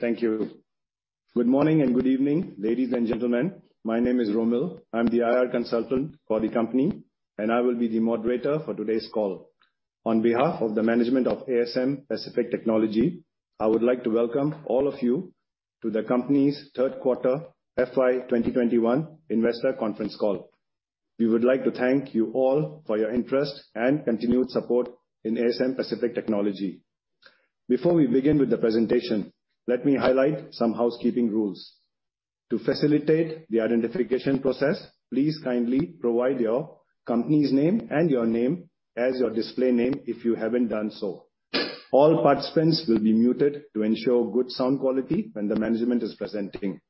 Thank you. Good morning and good evening, ladies and gentlemen. My name is Romil. I'm the IR consultant for the company, and I will be the moderator for today's call. On behalf of the management of ASM Pacific Technology, I would like to welcome all of you to the company's third quarter FY 2021 investor conference call. We would like to thank you all for your interest and continued support in ASM Pacific Technology. Before we begin with the presentation, let me highlight some housekeeping rules. To facilitate the identification process, please kindly provide your company's name and your name as your display name if you haven't done so. All participants will be muted to ensure good sound quality when the management is presenting.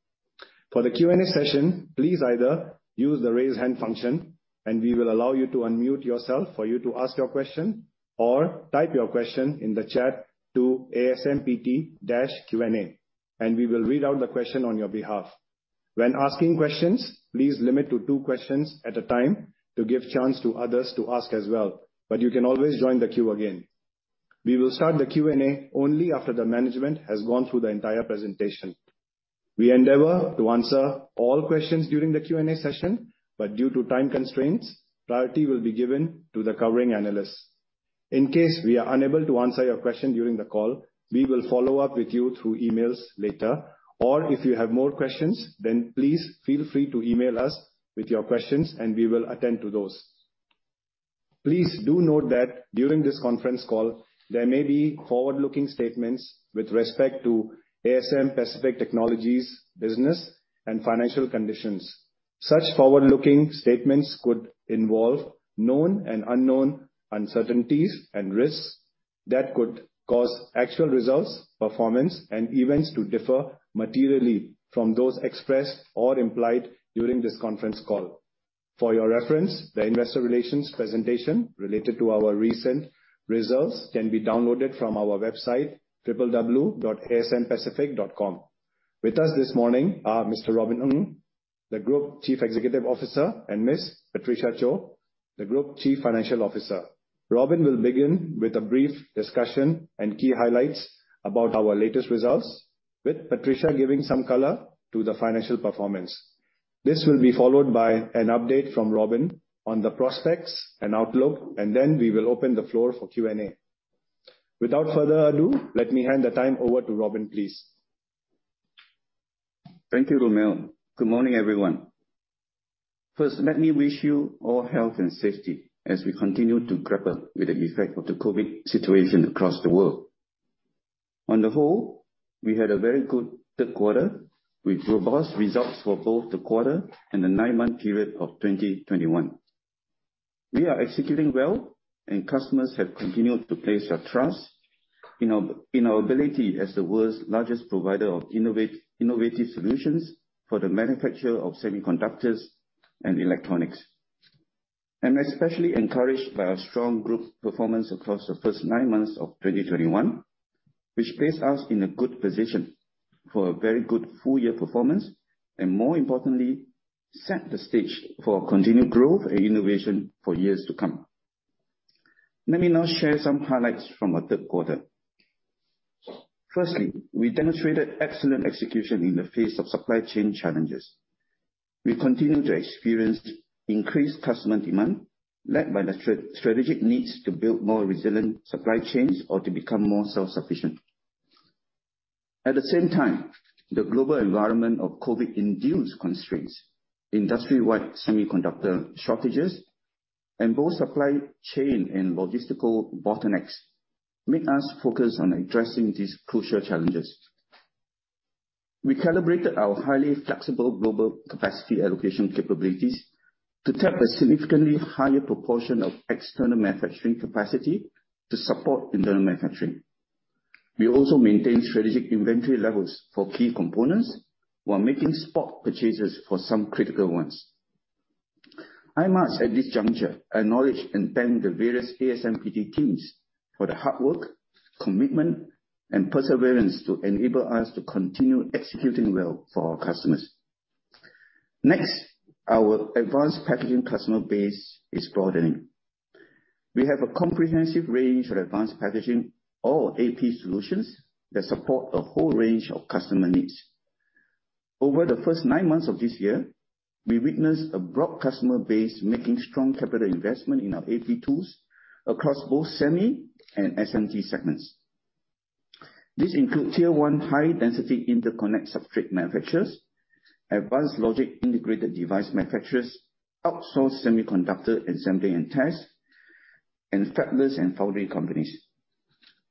For the Q&A session, please either use the raise hand function, and we will allow you to unmute yourself for you to ask your question, or type your question in the chat to ASMPT-Q&A, and we will read out the question on your behalf. When asking questions, please limit to two questions at a time to give chance to others to ask as well, but you can always join the queue again. We will start the Q&A only after the management has gone through the entire presentation. We endeavor to answer all questions during the Q&A session, but due to time constraints, priority will be given to the covering analysts. In case we are unable to answer your question during the call, we will follow up with you through emails later, or if you have more questions, then please feel free to email us with your questions and we will attend to those. Please do note that during this conference call, there may be forward-looking statements with respect to ASM Pacific Technology's business and financial conditions. Such forward-looking statements could involve known and unknown uncertainties and risks that could cause actual results, performance, and events to differ materially from those expressed or implied during this conference call. For your reference, the investor relations presentation related to our recent results can be downloaded from our website, www.asmpacific.com. With us this morning are Mr. Robin Ng, the Group Chief Executive Officer, and Miss Patricia Chou, the Group Chief Financial Officer. Robin will begin with a brief discussion and key highlights about our latest results, with Patricia giving some color to the financial performance. This will be followed by an update from Robin on the prospects and outlook, and then we will open the floor for Q&A. Without further ado, let me hand the time over to Robin, please. Thank you, Romil. Good morning, everyone. First, let me wish you all health and safety as we continue to grapple with the effect of the COVID situation across the world. On the whole, we had a very good third quarter with robust results for both the quarter and the nine-month period of 2021. We are executing well, and customers have continued to place their trust in our ability as the world's largest provider of innovative solutions for the manufacture of semiconductors and electronics. I'm especially encouraged by our strong group performance across the first nine months of 2021, which places us in a good position for a very good full year performance, and more importantly, set the stage for continued growth and innovation for years to come. Let me now share some highlights from our third quarter. Firstly, we demonstrated excellent execution in the face of supply chain challenges. We continue to experience increased customer demand, led by the strategic needs to build more resilient supply chains or to become more self-sufficient. At the same time, the global environment of COVID-induced constraints, industry-wide semiconductor shortages, and both supply chain and logistical bottlenecks make us focus on addressing these crucial challenges. We calibrated our highly flexible global capacity allocation capabilities to tap a significantly higher proportion of external manufacturing capacity to support internal manufacturing. We also maintain strategic inventory levels for key components while making spot purchases for some critical ones. I must, at this juncture, acknowledge and thank the various ASMPT teams for their hard work, commitment, and perseverance to enable us to continue executing well for our customers. Next, our advanced packaging customer base is broadening. We have a comprehensive range of advanced packaging or AP solutions that support a whole range of customer needs. Over the first nine months of this year, we witnessed a broad customer base making strong capital investment in our AP tools across both SEMI and SMT segments. This includes tier one high-density interconnect substrate manufacturers, advanced logic integrated device manufacturers, outsourced semiconductor assembly and test, and fabless and foundry companies.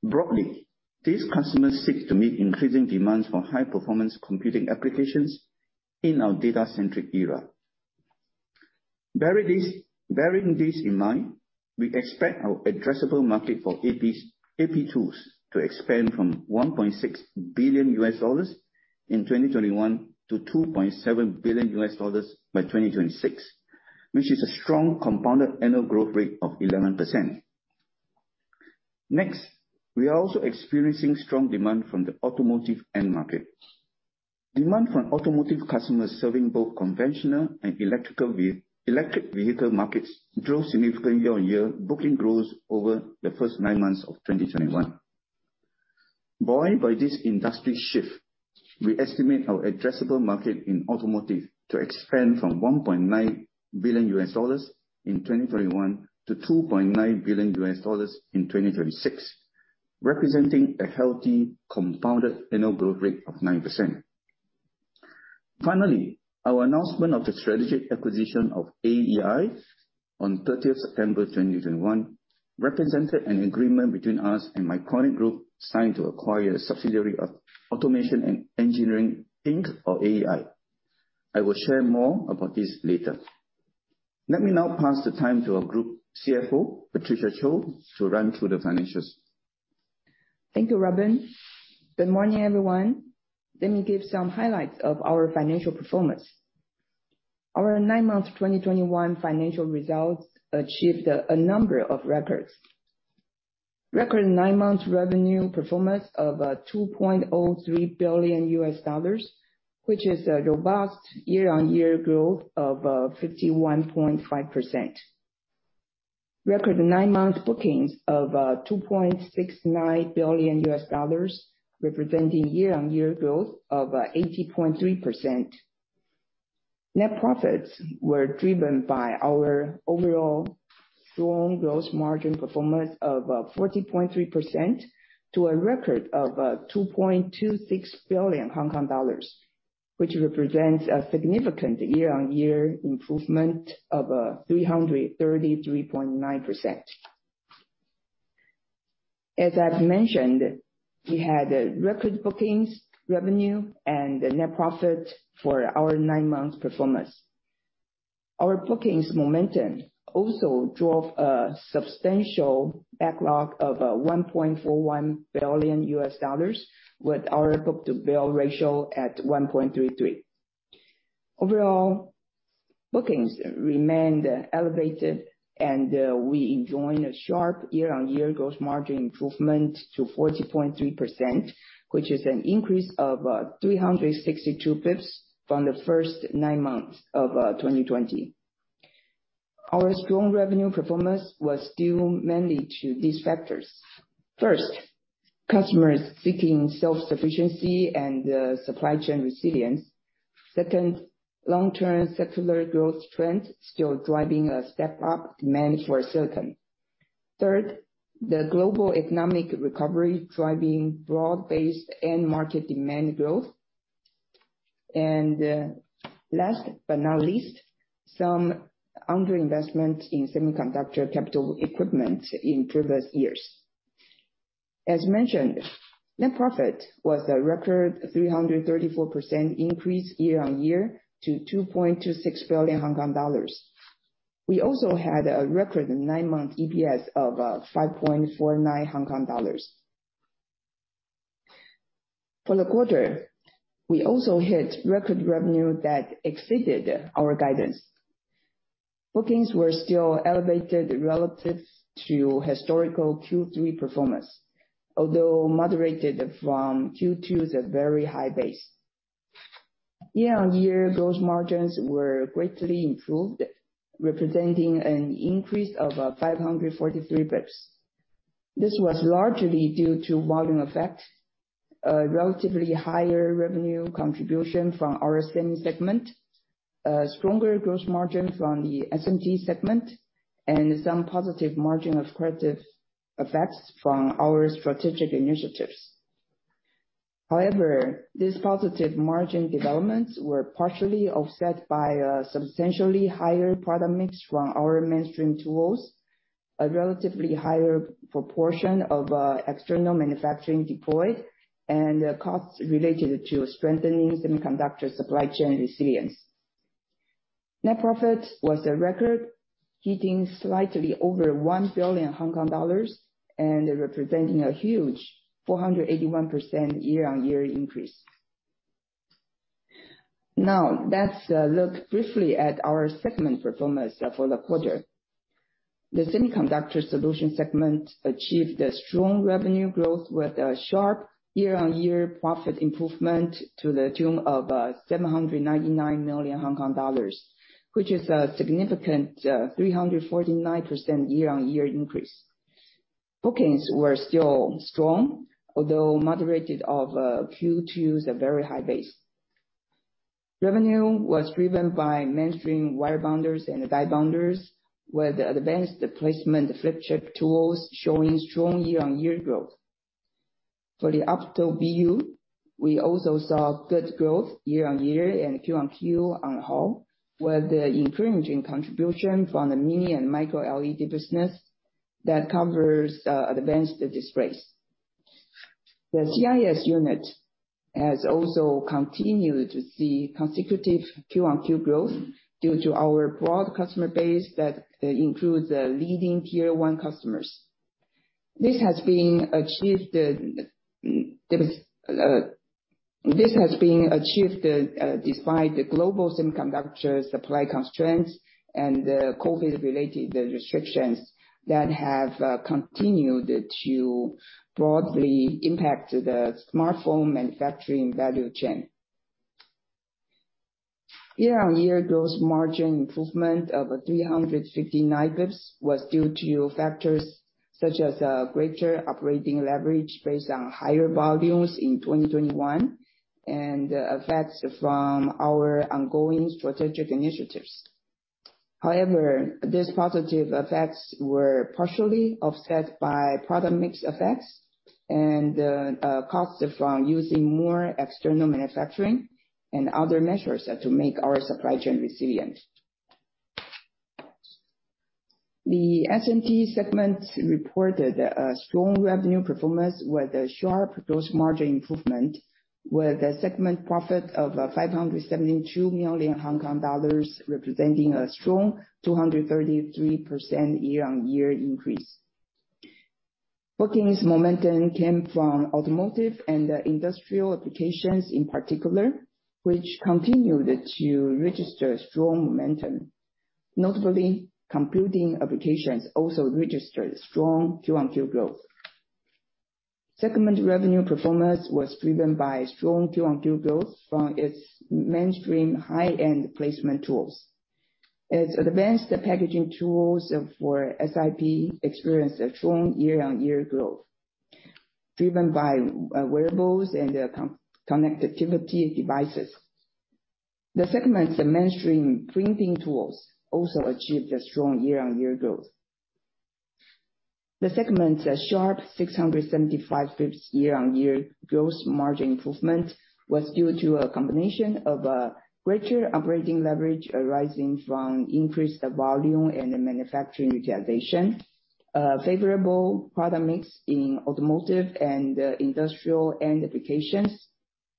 Broadly, these customers seek to meet increasing demands for high-performance computing applications in our data-centric era. Bearing this in mind, we expect our addressable market for AP tools to expand from $1.6 billion in 2021 to $2.7 billion by 2026, which is a strong compounded annual growth rate of 11%. Next, we are also experiencing strong demand from the automotive end market. Demand from automotive customers serving both conventional and electric vehicle markets drove significant year-on-year booking growth over the first nine months of 2021. Buoyed by this industry shift, we estimate our addressable market in automotive to expand from $1.9 billion in 2021 to $2.9 billion in 2026, representing a healthy compounded annual growth rate of 9%. Finally, our announcement of the strategic acquisition of AEi on 30 September 2021 represented an agreement between us and Mycronic Group signed to acquire a subsidiary of Automation Engineering, Inc, or AEi. I will share more about this later. Let me now pass the time to our Group CFO, Patricia Chou, to run through the financials. Thank you, Robin. Good morning, everyone. Let me give some highlights of our financial performance. Our nine-month 2021 financial results achieved a number of records. Record nine-month revenue performance of $2.03 billion, which is a robust year-on-year growth of 51.5%. Record nine-month bookings of $2.69 billion, representing year-on-year growth of 80.3%. Net profits were driven by our overall strong gross margin performance of 40.3% to a record of 2.26 billion Hong Kong dollars, which represents a significant year-on-year improvement of 333.9%. As I've mentioned, we had record bookings, revenue, and net profit for our nine-month performance. Our bookings momentum also drove a substantial backlog of $1.41 billion, with our book-to-bill ratio at 1.33. Overall, bookings remained elevated, and we enjoyed a sharp year-on-year gross margin improvement to 40.3%, which is an increase of 362 basis points from the first nine months of 2020. Our strong revenue performance was due mainly to these factors. First, customers seeking self-sufficiency and supply chain resilience. Second, long-term secular growth trends still driving a step-up demand for silicon. Third, the global economic recovery driving broad-based end market demand growth. Last but not least, some underinvestment in semiconductor capital equipment in previous years. As mentioned, net profit was a record 334% increase year-on-year to 2.26 billion Hong Kong dollars. We also had a record nine-month EPS of 5.49 Hong Kong dollars. For the quarter, we also hit record revenue that exceeded our guidance. Bookings were still elevated relative to historical Q3 performance, although moderated from Q2's very high base. Year-on-year gross margins were greatly improved, representing an increase of 543 basis points. This was largely due to volume effect, a relatively higher revenue contribution from our SEM segment, a stronger gross margin from the SMT segment, and some positive margin accretive effects from our strategic initiatives. However, these positive margin developments were partially offset by a substantially higher product mix from our mainstream tools, a relatively higher proportion of external manufacturing deployed, and costs related to strengthening semiconductor supply chain resilience. Net profit was a record, hitting slightly over 1 billion Hong Kong dollars and representing a huge 481% year-on-year increase. Now, let's look briefly at our segment performance for the quarter. The Semiconductor Solutions segment achieved a strong revenue growth with a sharp year-on-year profit improvement to the tune of 799 million Hong Kong dollars, which is a significant 349% year-on-year increase. Bookings were still strong, although moderated off Q2's very high base. Revenue was driven by mainstream wirebonders and die bonders, with advanced placement flip chip tools showing strong year-on-year growth. For the Opto-BU, we also saw good growth year-on-year and Q-on-Q on the whole, with the encouraging contribution from the mini-LED and micro-LED business that covers advanced displays. The CIS unit has also continued to see consecutive Q-on-Q growth due to our broad customer base that includes leading tier one customers. This has been achieved despite the global semiconductor supply constraints and the COVID-related restrictions that have continued to broadly impact the smartphone manufacturing value chain. Year-on-year gross margin improvement of 359 basis points was due to factors such as greater operating leverage based on higher volumes in 2021, and effects from our ongoing strategic initiatives. However, these positive effects were partially offset by product mix effects and costs from using more external manufacturing and other measures to make our supply chain resilient. The SMT segment reported a strong revenue performance with a sharp gross margin improvement, with a segment profit of 572 million Hong Kong dollars, representing a strong 233% year-over-year increase. Bookings momentum came from automotive and industrial applications in particular, which continued to register strong momentum. Notably, computing applications also registered strong Q-over-Q growth. Segment revenue performance was driven by strong Q-over-Q growth from its mainstream high-end placement tools. Its advanced packaging tools for SIP experienced a strong year-over-year growth, driven by wearables and connectivity devices. The segment's mainstream printing tools also achieved a strong year-over-year growth. The segment's sharp 675 BPS year-on-year gross margin improvement was due to a combination of, greater operating leverage arising from increased volume and manufacturing utilization, favorable product mix in automotive and industrial end applications,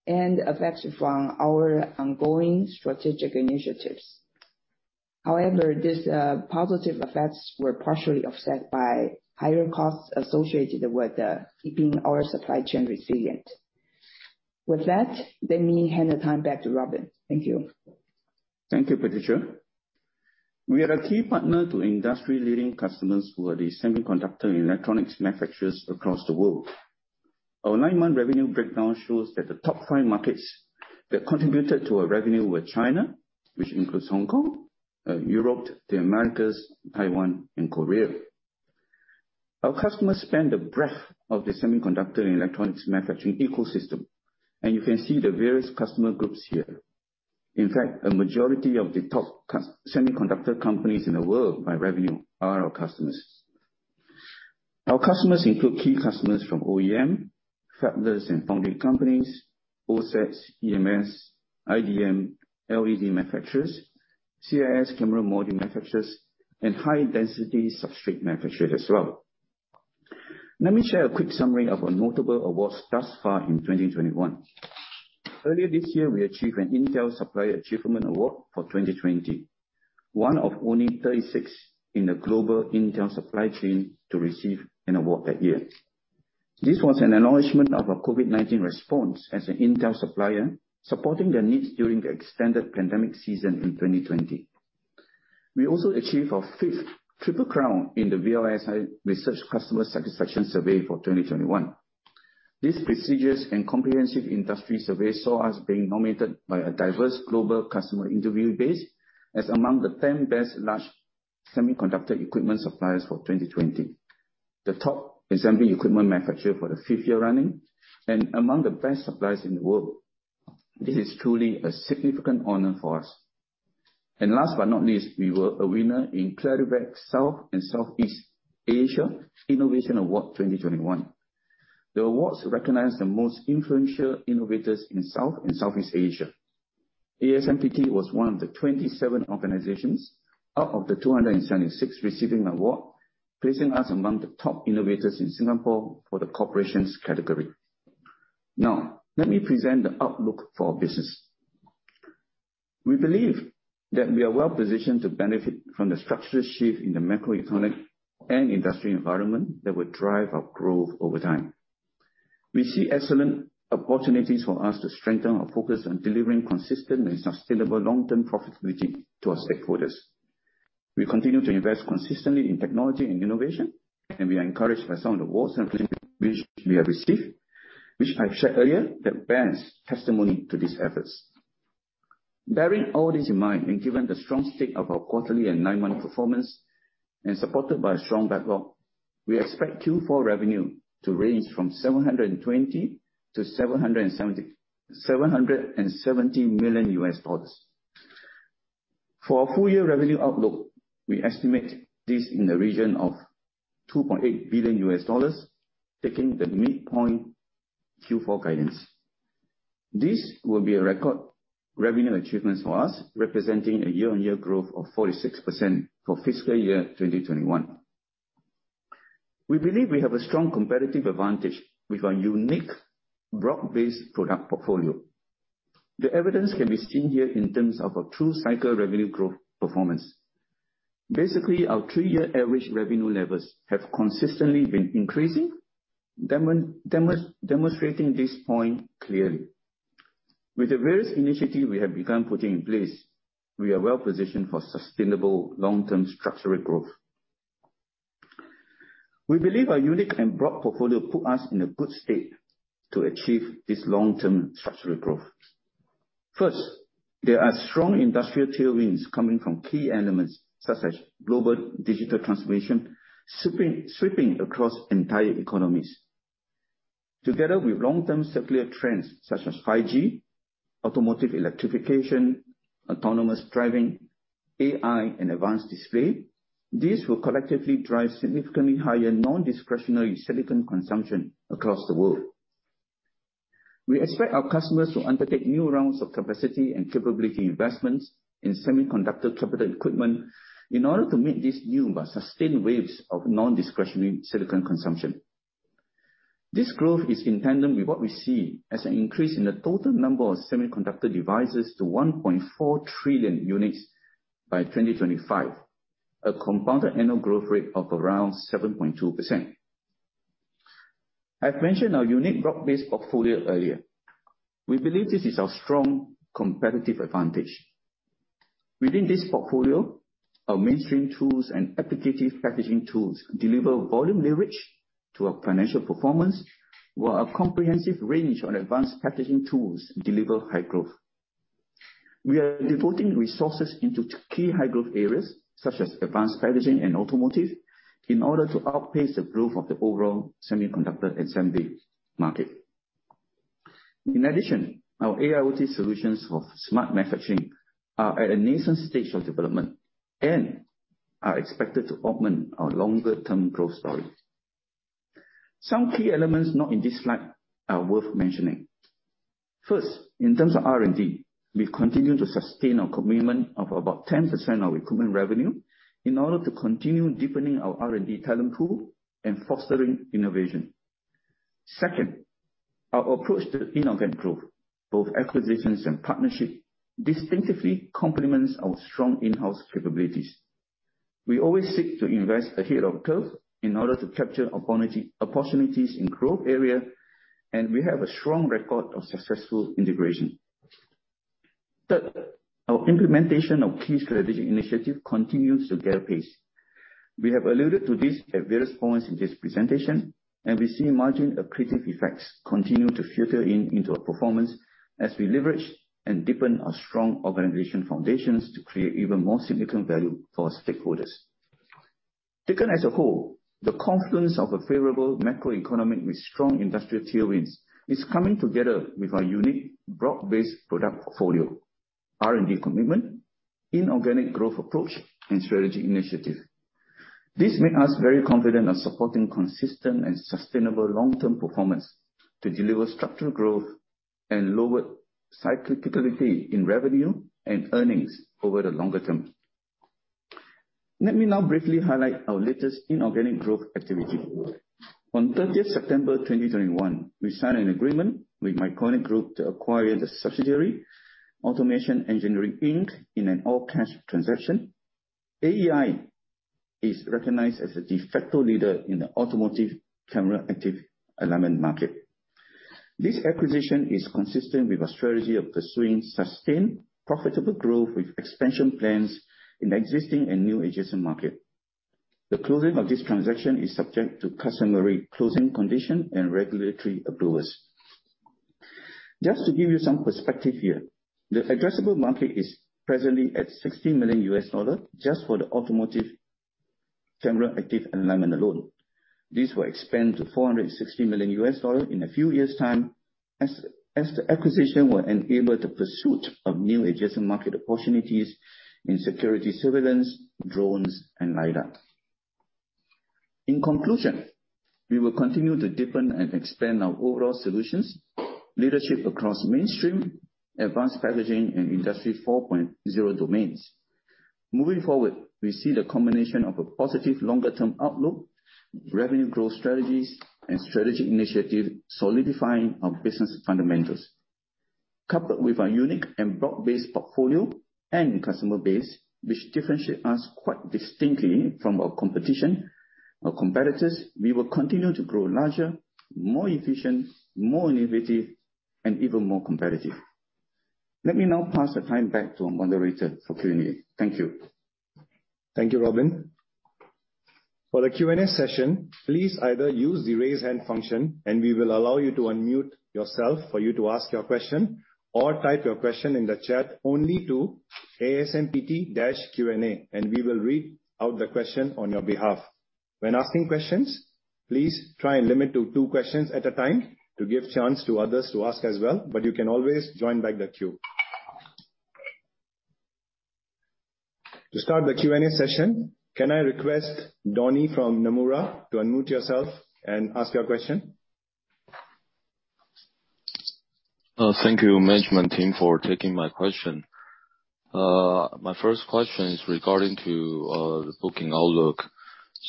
and effects from our ongoing strategic initiatives. However, these positive effects were partially offset by higher costs associated with keeping our supply chain resilient. With that, let me hand the time back to Robin. Thank you. Thank you, Patricia. We are a key partner to industry-leading customers who are the semiconductor and electronics manufacturers across the world. Our nine-month revenue breakdown shows that the top five markets that contributed to our revenue were China, which includes Hong Kong, Europe, the Americas, Taiwan, and Korea. Our customers span the breadth of the semiconductor and electronics manufacturing ecosystem, and you can see the various customer groups here. In fact, a majority of the top semiconductor companies in the world by revenue are our customers. Our customers include key customers from OEM, fabless and foundry companies, OSATs, EMS, IDM, LED manufacturers, CIS camera module manufacturers, and high-density substrate manufacturers as well. Let me share a quick summary of our notable awards thus far in 2021. Earlier this year, we achieved an Intel Supplier Achievement Award for 2020, one of only 36 in the global Intel supply chain to receive an award that year. This was an acknowledgement of our COVID-19 response as an Intel supplier, supporting their needs during the extended pandemic season in 2020. We also achieved our fifth Triple Crown in the VLSI Research Customer Satisfaction Survey for 2021. This prestigious and comprehensive industry survey saw us being nominated by a diverse global customer interview base as among the 10 best large semiconductor equipment suppliers for 2020. The top assembly equipment manufacturer for the fifth year running, and among the best suppliers in the world. This is truly a significant honor for us. Last but not least, we were a winner in Clarivate South and Southeast Asia Innovation Award 2021. The awards recognize the most influential innovators in South and Southeast Asia. ASMPT was one of the 27 organizations out of the 276 receiving the award, placing us among the top innovators in Singapore for the corporations category. Now, let me present the outlook for our business. We believe that we are well-positioned to benefit from the structural shift in the macroeconomic and industry environment that will drive our growth over time. We see excellent opportunities for us to strengthen our focus on delivering consistent and sustainable long-term profitability to our stakeholders. We continue to invest consistently in technology and innovation, and we are encouraged by some of the awards and recognition we have received, which I've shared earlier, that bears testimony to these efforts. Bearing all this in mind, given the strong state of our quarterly and nine-month performance, supported by a strong backlog, we expect Q4 revenue to range from $720 million-$770 million. For our full-year revenue outlook, we estimate this in the region of $2.8 billion, taking the midpoint Q4 guidance. This will be a record revenue achievement for us, representing a year-on-year growth of 46% for fiscal year 2021. We believe we have a strong competitive advantage with our unique broad-based product portfolio. The evidence can be seen here in terms of our true cycle revenue growth performance. Basically, our three-year average revenue levels have consistently been increasing, demonstrating this point clearly. With the various initiatives we have begun putting in place, we are well-positioned for sustainable long-term structural growth. We believe our unique and broad portfolio put us in a good state to achieve this long-term structural growth. First, there are strong industrial tailwinds coming from key elements such as global digital transformation sweeping across entire economies. Together with long-term secular trends such as 5G, automotive electrification, autonomous driving, AI, and advanced display, these will collectively drive significantly higher non-discretionary silicon consumption across the world. We expect our customers to undertake new rounds of capacity and capability investments in semiconductor capital equipment in order to meet these new but sustained waves of non-discretionary silicon consumption. This growth is in tandem with what we see as an increase in the total number of semiconductor devices to 1.4 trillion units by 2025, a compounded annual growth rate of around 7.2%. I've mentioned our unique broad-based portfolio earlier. We believe this is our strong competitive advantage. Within this portfolio, our mainstream tools and epitaxial packaging tools deliver volume leverage to our financial performance, while our comprehensive range of advanced packaging tools deliver high growth. We are devoting resources into key high-growth areas such as advanced packaging and automotive in order to outpace the growth of the overall semiconductor assembly market. In addition, our AIoT solutions for smart manufacturing are at a nascent stage of development and are expected to augment our longer-term growth stories. Some key elements not in this slide are worth mentioning. First, in terms of R&D, we continue to sustain our commitment of about 10% of equipment revenue in order to continue deepening our R&D talent pool and fostering innovation. Second, our approach to inorganic growth, both acquisitions and partnership, distinctively complements our strong in-house capabilities. We always seek to invest ahead of curve in order to capture opportunities in growth area, and we have a strong record of successful integration. Third, our implementation of key strategic initiative continues to gather pace. We have alluded to this at various points in this presentation, and we see margin accretive effects continue to filter into our performance as we leverage and deepen our strong organization foundations to create even more significant value for our stakeholders. Taken as a whole, the confluence of a favorable macroeconomic with strong industrial tailwinds is coming together with our unique broad-based product portfolio, R&D commitment, inorganic growth approach, and strategic initiative. This makes us very confident of supporting consistent and sustainable long-term performance to deliver structural growth and lower cyclicity in revenue and earnings over the longer term. Let me now briefly highlight our latest inorganic growth activity. On 30 September 2021, we signed an agreement with Mycronic Group to acquire the subsidiary, Automation Engineering, Inc, in an all-cash transaction. AEi is recognized as the de facto leader in the automotive camera active alignment market. This acquisition is consistent with our strategy of pursuing sustained, profitable growth with expansion plans in existing and new adjacent markets. The closing of this transaction is subject to customary closing conditions and regulatory approvals. Just to give you some perspective here, the addressable market is presently at $60 million just for the automotive camera active alignment alone. This will expand to $460 million in a few years' time as the acquisition will enable the pursuit of new adjacent market opportunities in security surveillance, drones, and LiDAR. In conclusion, we will continue to deepen and expand our overall solutions, leadership across mainstream, advanced packaging, and Industry 4.0 domains. Moving forward, we see the combination of a positive longer-term outlook, revenue growth strategies, and strategic initiative solidifying our business fundamentals. Coupled with our unique and broad-based portfolio and customer base, which differentiate us quite distinctly from our competition, our competitors, we will continue to grow larger, more efficient, more innovative, and even more competitive. Let me now pass the time back to moderator for Q&A. Thank you. Thank you, Robin. For the Q&A session, please either use the raise hand function, and we will allow you to unmute yourself for you to ask your question, or type your question in the chat only to ASMPT-Q&A, and we will read out the question on your behalf. When asking questions, please try and limit to two questions at a time to give chance to others to ask as well, but you can always join back the queue. To start the Q&A session, can I request Donnie from Nomura to unmute yourself and ask your question? Thank you, management team, for taking my question. My first question is regarding to the booking outlook.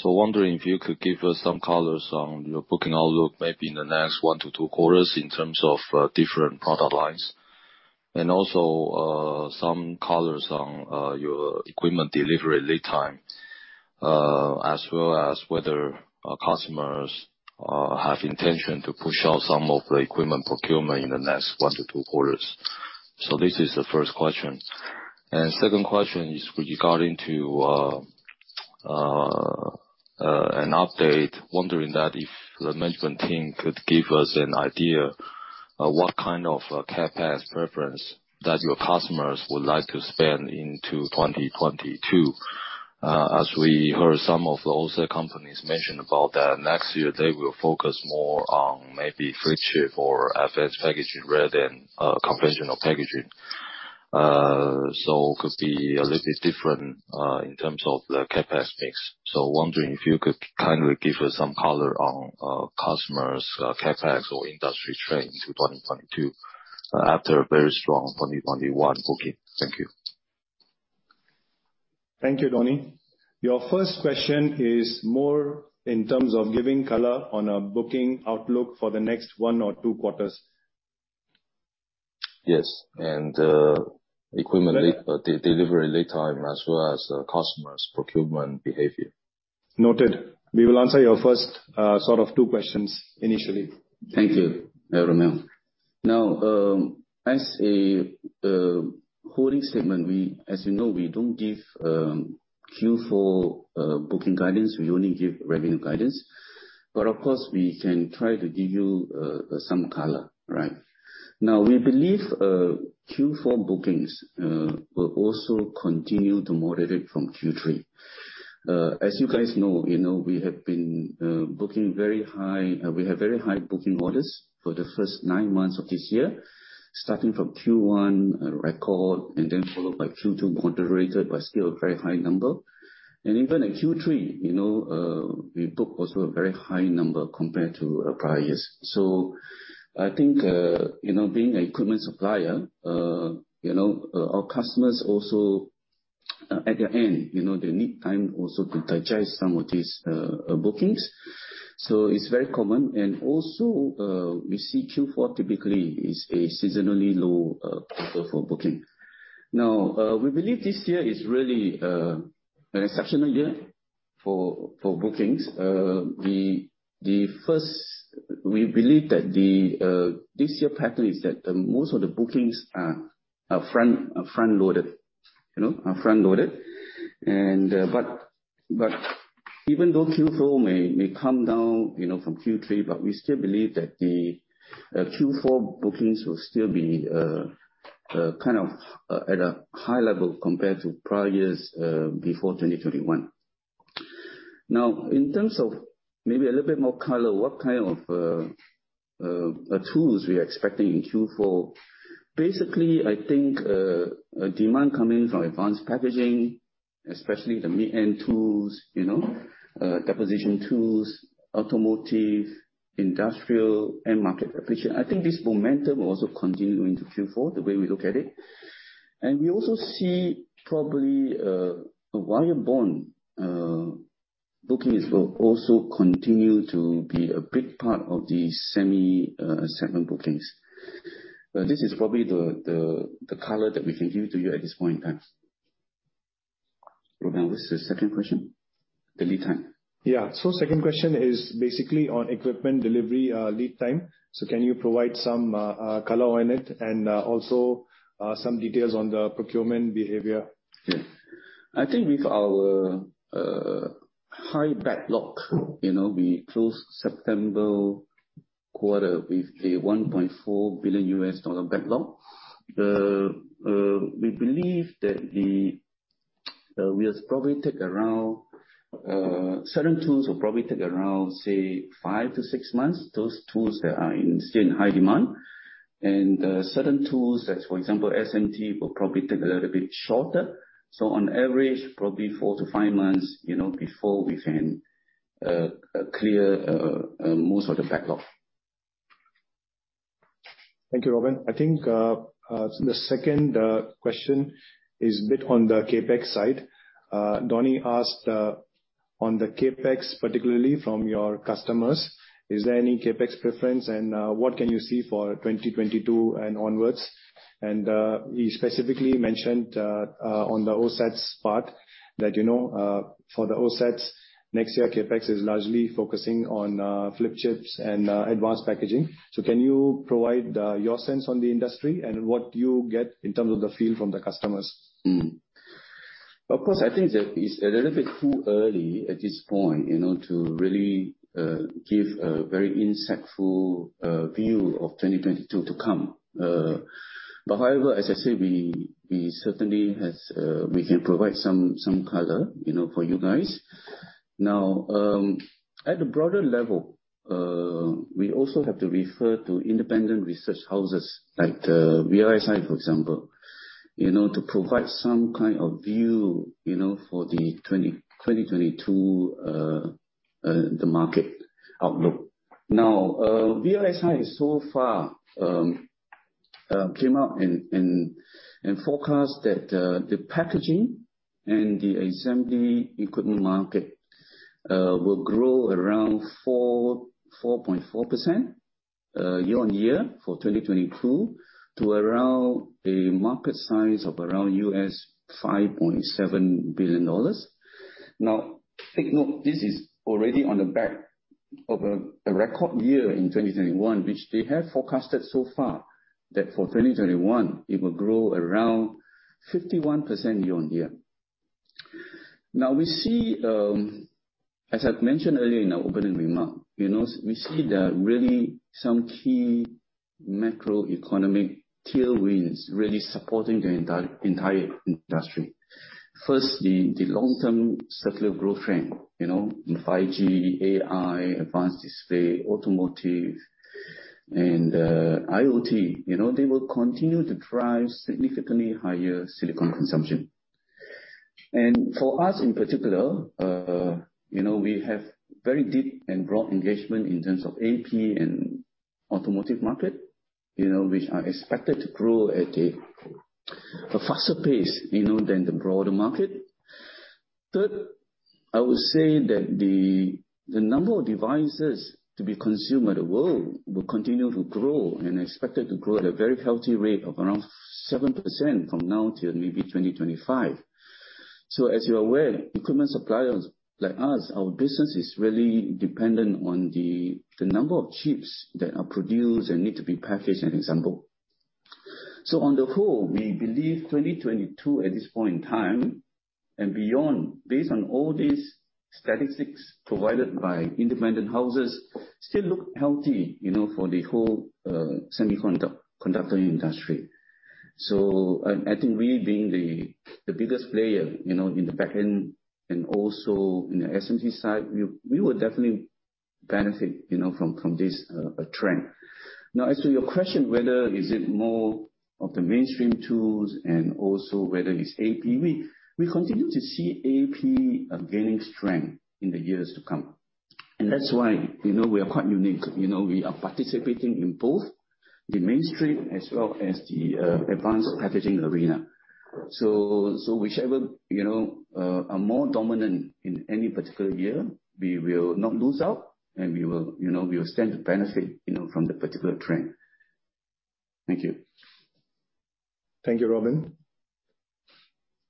Wondering if you could give us some colors on your booking outlook maybe in the next one to two quarters in terms of different product lines. Also, some colors on your equipment delivery lead time, as well as whether customers have intention to push out some of the equipment procurement in the next one to two quarters. This is the first question. Second question is with regarding to an update, wondering that if the management team could give us an idea of what kind of CapEx preference that your customers would like to spend into 2022. As we heard some of the other companies mention about that next year, they will focus more on maybe flip chip or advanced packaging rather than conventional packaging. Could be a little bit different in terms of the CapEx mix. Wondering if you could kindly give us some color on customers CapEx or industry trend in 2022 after a very strong 2021 booking. Thank you. Thank you, Donnie. Your first question is more in terms of giving color on a booking outlook for the next one or two quarters. Yes. Equipment delivery lead time as well as customer's procurement behavior. Noted. We will answer your first, sort of two questions initially. Thank you, Romil. Now, as a holding statement, we, as you know, we don't give Q4 booking guidance. We only give revenue guidance, but of course, we can try to give you some color, right? Now, we believe Q4 bookings will also continue to moderate from Q3. As you guys know, you know, we have very high booking orders for the first nine months of this year, starting from Q1 record and then followed by Q2 moderated, but still a very high number. Even in Q3, you know, we booked also a very high number compared to prior years. I think, you know, being an equipment supplier, you know, our customers also at their end, you know, they need time also to digest some of these bookings. It's very common. We see Q4 typically is a seasonally low quarter for booking. Now, we believe this year is really an exceptional year for bookings. We believe that the this year pattern is that most of the bookings are front-loaded. You know, are front-loaded. But even though Q4 may come down, you know, from Q3, but we still believe that the Q4 bookings will still be kind of at a high level compared to prior years before 2021. Now, in terms of maybe a little bit more color, what kind of tools we are expecting in Q4. Basically, I think demand coming from advanced packaging, especially the mid-end tools, you know, deposition tools, automotive, industrial, end-market application. I think this momentum will also continue into Q4, the way we look at it. We also see probably the wire bond bookings will also continue to be a big part of the semi segment bookings. This is probably the color that we can give to you at this point in time. Romil, what's the second question? The lead time. Yeah. Second question is basically on equipment delivery, lead time. Can you provide some color on it and also some details on the procurement behavior? Yeah. I think with our high backlog, you know, we closed September quarter with a $1.4 billion backlog. We believe that certain tools will probably take around, say, five to six months, those tools that are still in high demand. Certain tools, as for example, SMT, will probably take a little bit shorter. On average, probably four to five months, you know, before we can clear most of the backlog. Thank you, Robin. I think the second question is a bit on the CapEx side. Donnie asked on the CapEx, particularly from your customers, is there any CapEx preference? What can you see for 2022 and onwards? He specifically mentioned on the OSATs part that, you know, for the OSATs next year, CapEx is largely focusing on flip chips and advanced packaging. Can you provide your sense on the industry and what you get in terms of the feel from the customers? Of course, I think that it's a little bit too early at this point, you know, to really give a very insightful view of 2022 to come. However, as I say, we certainly has we can provide some color, you know, for you guys. Now, at a broader level, we also have to refer to independent research houses like the VLSI, for example, you know, to provide some kind of view, you know, for the 2022 market outlook. Now, VLSI so far came out and forecast that the packaging and the assembly equipment market will grow around 4.4% year-on-year for 2022 to around a market size of around $5.7 billion. Now, take note this is already on the back of a record year in 2021, which they have forecasted so far that for 2021 it will grow around 51% year-on-year. Now we see, as I've mentioned earlier in our opening remark, you know, we see there are really some key macroeconomic tailwinds really supporting the entire industry. First, the long-term secular growth trend, you know, in 5G, AI, advanced display, automotive and IoT, you know, they will continue to drive significantly higher silicon consumption. For us in particular, you know, we have very deep and broad engagement in terms of AP and automotive market, you know, which are expected to grow at a faster pace, you know, than the broader market. Third, I would say that the number of devices to be consumed by the world will continue to grow and are expected to grow at a very healthy rate of around 7% from now till maybe 2025. As you are aware, equipment suppliers like us, our business is really dependent on the number of chips that are produced and need to be packaged and assembled. On the whole, we believe 2022 at this point in time and beyond, based on all these statistics provided by independent houses, still look healthy, you know, for the whole semiconductor industry. I think we being the biggest player, you know, in the back end and also in the SMT side, we will definitely benefit, you know, from this trend. Now as to your question whether is it more of the mainstream tools and also whether it's AP, we continue to see AP gaining strength in the years to come. That's why, you know, we are quite unique. You know, we are participating in both the mainstream as well as the advanced packaging arena. Whichever, you know, are more dominant in any particular year, we will not lose out, and we will, you know, stand to benefit, you know, from the particular trend. Thank you. Thank you, Robin.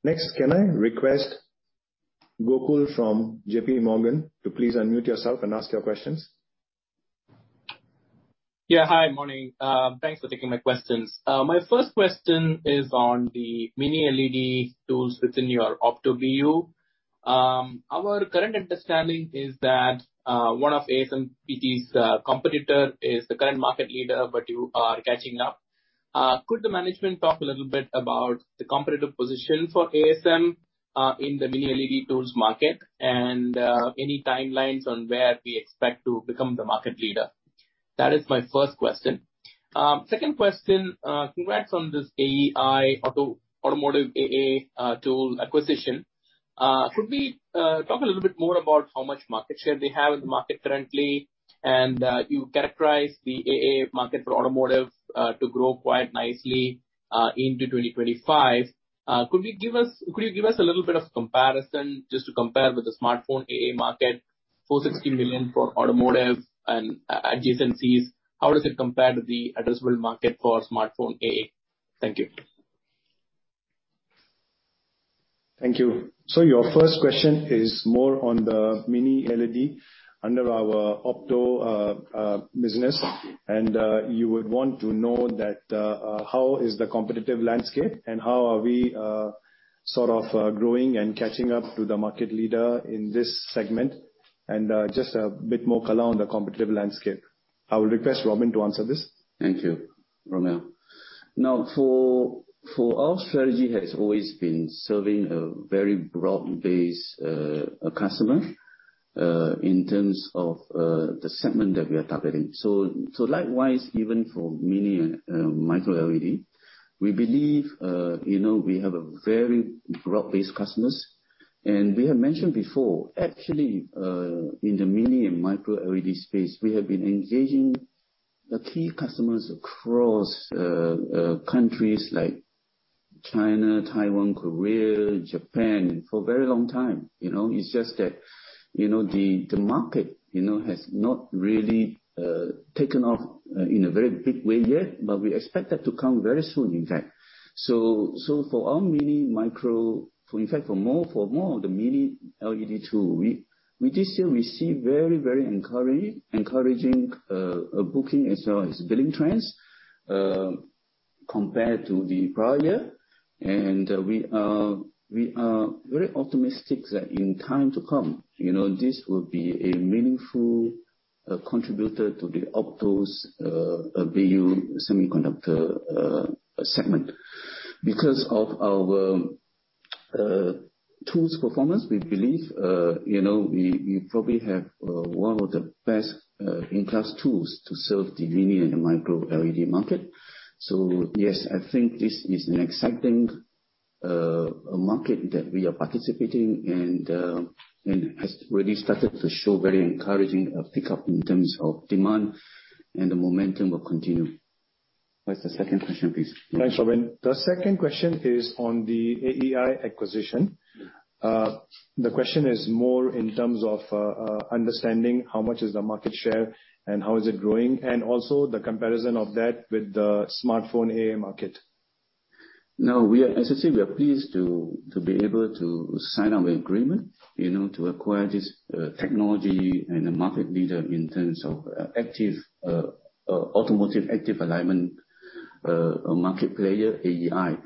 Next, can I request Gokul from JPMorgan to please unmute yourself and ask your questions? Yeah. Hi. Morning. Thanks for taking my questions. My first question is on the mini LED tools within your Opto-BU. Our current understanding is that one of ASM's competitor is the current market leader, but you are catching up. Could the management talk a little bit about the competitive position for ASM in the mini LED tools market and any timelines on where we expect to become the market leader? That is my first question. Second question. Congrats on this AEi automotive AA tool acquisition. Could we talk a little bit more about how much market share they have in the market currently? You characterize the AA market for automotive to grow quite nicely into 2025. Could you give us a little bit of comparison just to compare with the smartphone AA market, 460 million for automotive and adjacencies. How does it compare to the addressable market for smartphone AA? Thank you. Thank you. Your first question is more on the mini LED under our Opto business. You would want to know that how is the competitive landscape and how are we sort of growing and catching up to the market leader in this segment. Just a bit more color on the competitive landscape. I will request Robin to answer this. Thank you, Romil. Now, our strategy has always been serving a very broad-based customer in terms of the segment that we are targeting. Likewise, even for mini and micro LED, we believe you know, we have a very broad-based customers. We have mentioned before actually in the mini and micro LED space, we have been engaging the key customers across countries like China, Taiwan, Korea, Japan, for a very long time, you know? It's just that, you know, the market you know has not really taken off in a very big way yet, but we expect that to come very soon, in fact. For our mini micro... For in fact, for more of the mini LED tool, we do still receive very encouraging booking as well as billing trends compared to the prior. We are very optimistic that in time to come, you know, this will be a meaningful contributor to the Opto BU semiconductor segment. Because of our tools performance, we believe, you know, we probably have one of the best in-class tools to serve the mini and the micro LED market. Yes, I think this is an exciting market that we are participating and has already started to show very encouraging pickup in terms of demand and the momentum will continue. What's the second question, please? Thanks, Robin. The second question is on the AEi acquisition. The question is more in terms of understanding how much is the market share and how is it growing, and also the comparison of that with the smartphone AA market. No, as I said, we are pleased to be able to sign an agreement, you know, to acquire this technology and a market leader in terms of active automotive active alignment market player, AEi.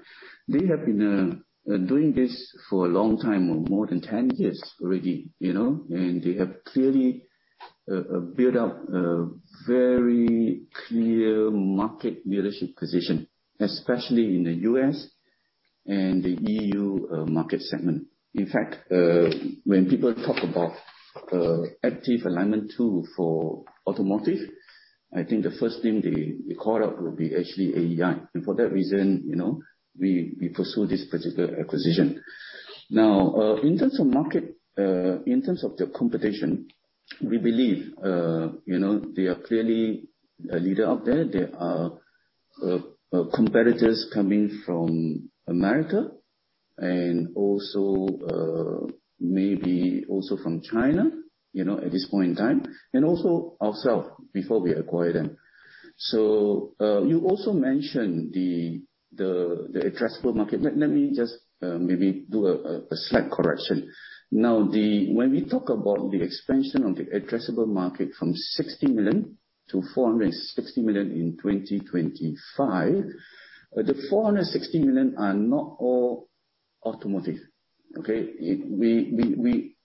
They have been doing this for a long time, more than 10 years already, you know? They have clearly built up a very clear market leadership position, especially in the U.S. and the EU market segment. In fact, when people talk about active alignment tool for automotive, I think the first thing they call out will be actually AEi. For that reason, you know, we pursue this particular acquisition. In terms of the competition, we believe they are clearly a leader out there. There are competitors coming from America and also maybe also from China, you know, at this point in time, and also ourselves before we acquire them. You also mentioned the addressable market. Let me just maybe do a slight correction. When we talk about the expansion of the addressable market from 60 million to 460 million in 2025, the 460 million are not all automotive, okay? We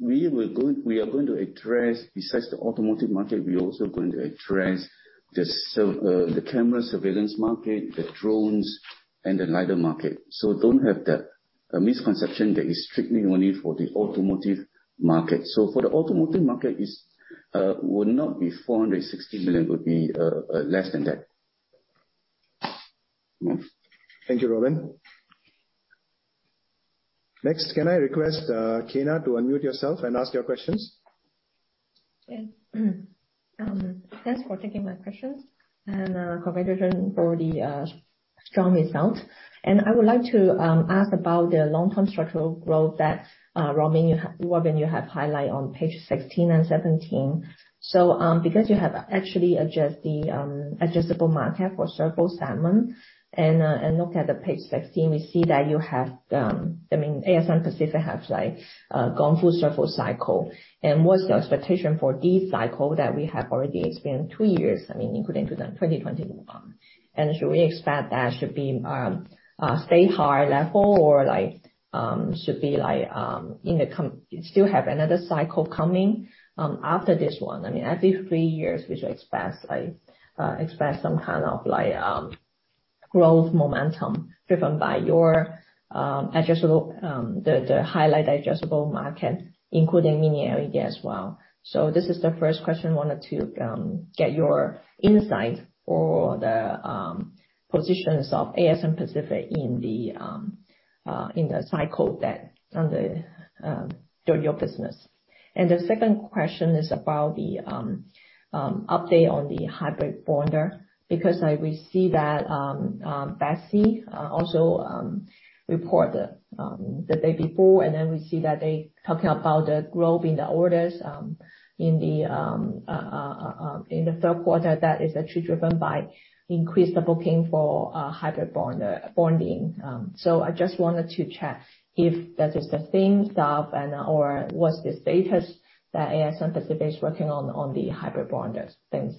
are going to address. Besides the automotive market, we're also going to address the camera surveillance market, the drones and the LiDAR market. Don't have that misconception that is strictly only for the automotive market. For the automotive market, it would not be 460 million. It would be less than that. Thank you, Robin. Next, can I request Kyna to unmute yourself and ask your questions? Sure. Thanks for taking my questions, and congratulations for the strong results. I would like to ask about the long-term structural growth that Robin, you have highlighted on page 16 and 17. Because you have actually adjusted addressable market for several segment. Look at the page 16, we see that you have, I mean, ASM Pacific has like gone full circle cycle. What's your expectation for this cycle that we have already experienced two years, I mean, including to the 2021? Should we expect that should be stay high level or like should be like still have another cycle coming after this one? I mean, after three years, we should expect like some kind of like growth momentum driven by your advanced, the high-end advanced market, including mini LED as well. This is the first question. I wanted to get your insight on the positions of ASM Pacific in the cycle that underlies your business. The second question is about the update on the hybrid bonding, because we see that Besi also reported the day before, and then we see that they talking about the growth in the orders in the third quarter that is actually driven by increased booking for hybrid bonding. I just wanted to check if that is the same stuff and or what's the status that ASM Pacific is working on the hybrid bonders. Thanks.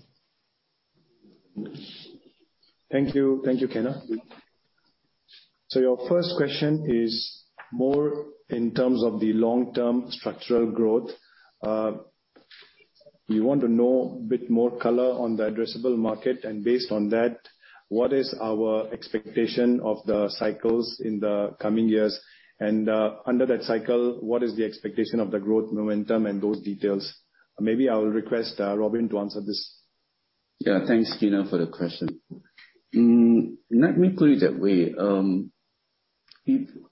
Thank you. Thank you, Kyna. Your first question is more in terms of the long-term structural growth. You want to know a bit more color on the addressable market and based on that, what is our expectation of the cycles in the coming years? Under that cycle, what is the expectation of the growth momentum and those details? Maybe I will request Robin to answer this. Yeah. Thanks, Kyna, for the question. Let me put it that way.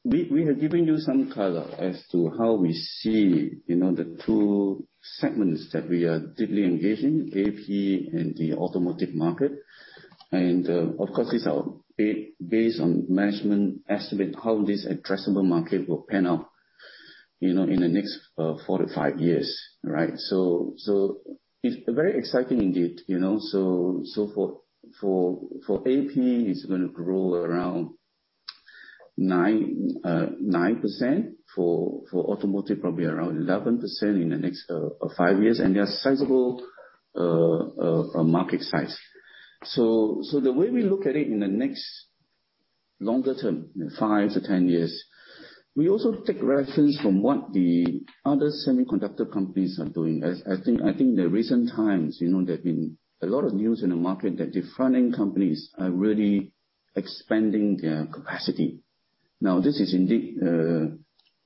We have given you some color as to how we see, you know, the two segments that we are deeply engaged in, AP and the automotive market. Of course, it's our, based on management estimate how this addressable market will pan out, you know, in the next four to five years, right? It's very exciting indeed, you know? For AP, it's gonna grow around 9%. For automotive, probably around 11% in the next five years. They're sizable market size. The way we look at it in the next longer term, 5-10 years, we also take reference from what the other semiconductor companies are doing. I think the recent times, you know, there have been a lot of news in the market that the front-end companies are really expanding their capacity. Now, this is indeed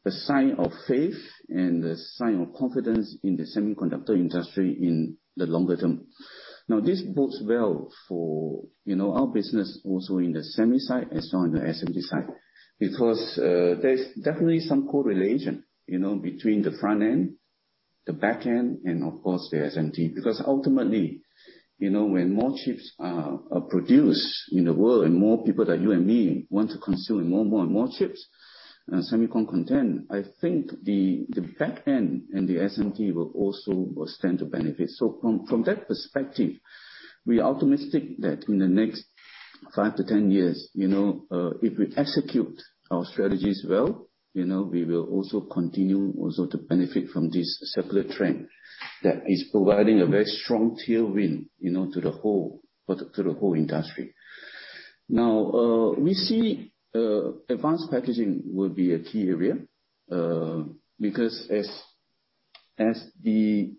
a sign of faith and a sign of confidence in the semiconductor industry in the longer term. Now, this bodes well for, you know, our business also in the semi side as well as in the SMT side. Because there's definitely some correlation, you know, between the front-end, the back-end and of course the SMT. Because ultimately, you know, when more chips are produced in the world, more people like you and me want to consume more and more chips. Semicon content, I think the back end and the SMT will also stand to benefit. From that perspective, we are optimistic that in the next five to 10 years, you know, if we execute our strategies well, you know, we will continue to benefit from this circular trend that is providing a very strong tailwind, you know, to the whole industry. Now, we see advanced packaging will be a key area, because as the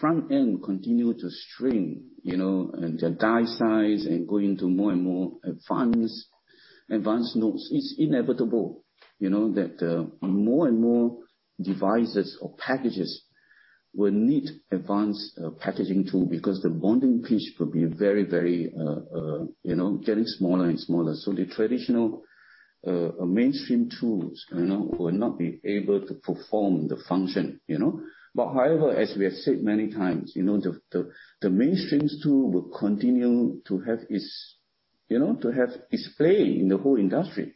front end continues to shrink, you know, the die size and go into more and more advanced nodes, it's inevitable, you know, that more and more devices or packages will need advanced packaging tool because the bonding pitch will be very, you know, getting smaller and smaller. The traditional mainstream tools, you know, will not be able to perform the function, you know? However, as we have said many times, you know, the mainstream tool will continue to have its, you know, to have its play in the whole industry.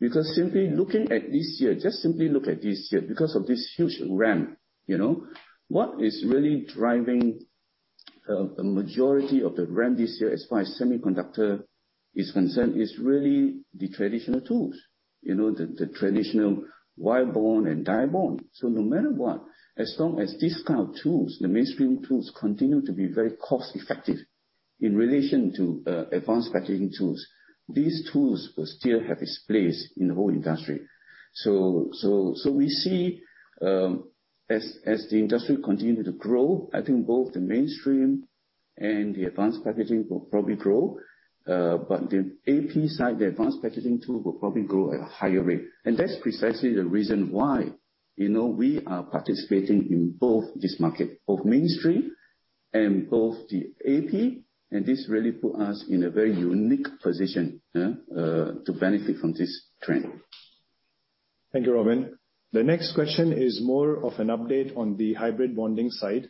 Because simply looking at this year because of this huge ramp, you know. What is really driving a majority of the ramp this year as far as semiconductor is concerned is really the traditional tools. You know, the traditional wire bond and die bond. No matter what, as long as this kind of tools, the mainstream tools continue to be very cost-effective in relation to advanced packaging tools, these tools will still have its place in the whole industry. So we see, as the industry continue to grow, I think both the mainstream and the advanced packaging will probably grow. The AP side, the advanced packaging tool will probably grow at a higher rate. That's precisely the reason why, you know, we are participating in both this market, mainstream and the AP, and this really put us in a very unique position to benefit from this trend. Thank you, Robin. The next question is more of an update on the hybrid bonding side.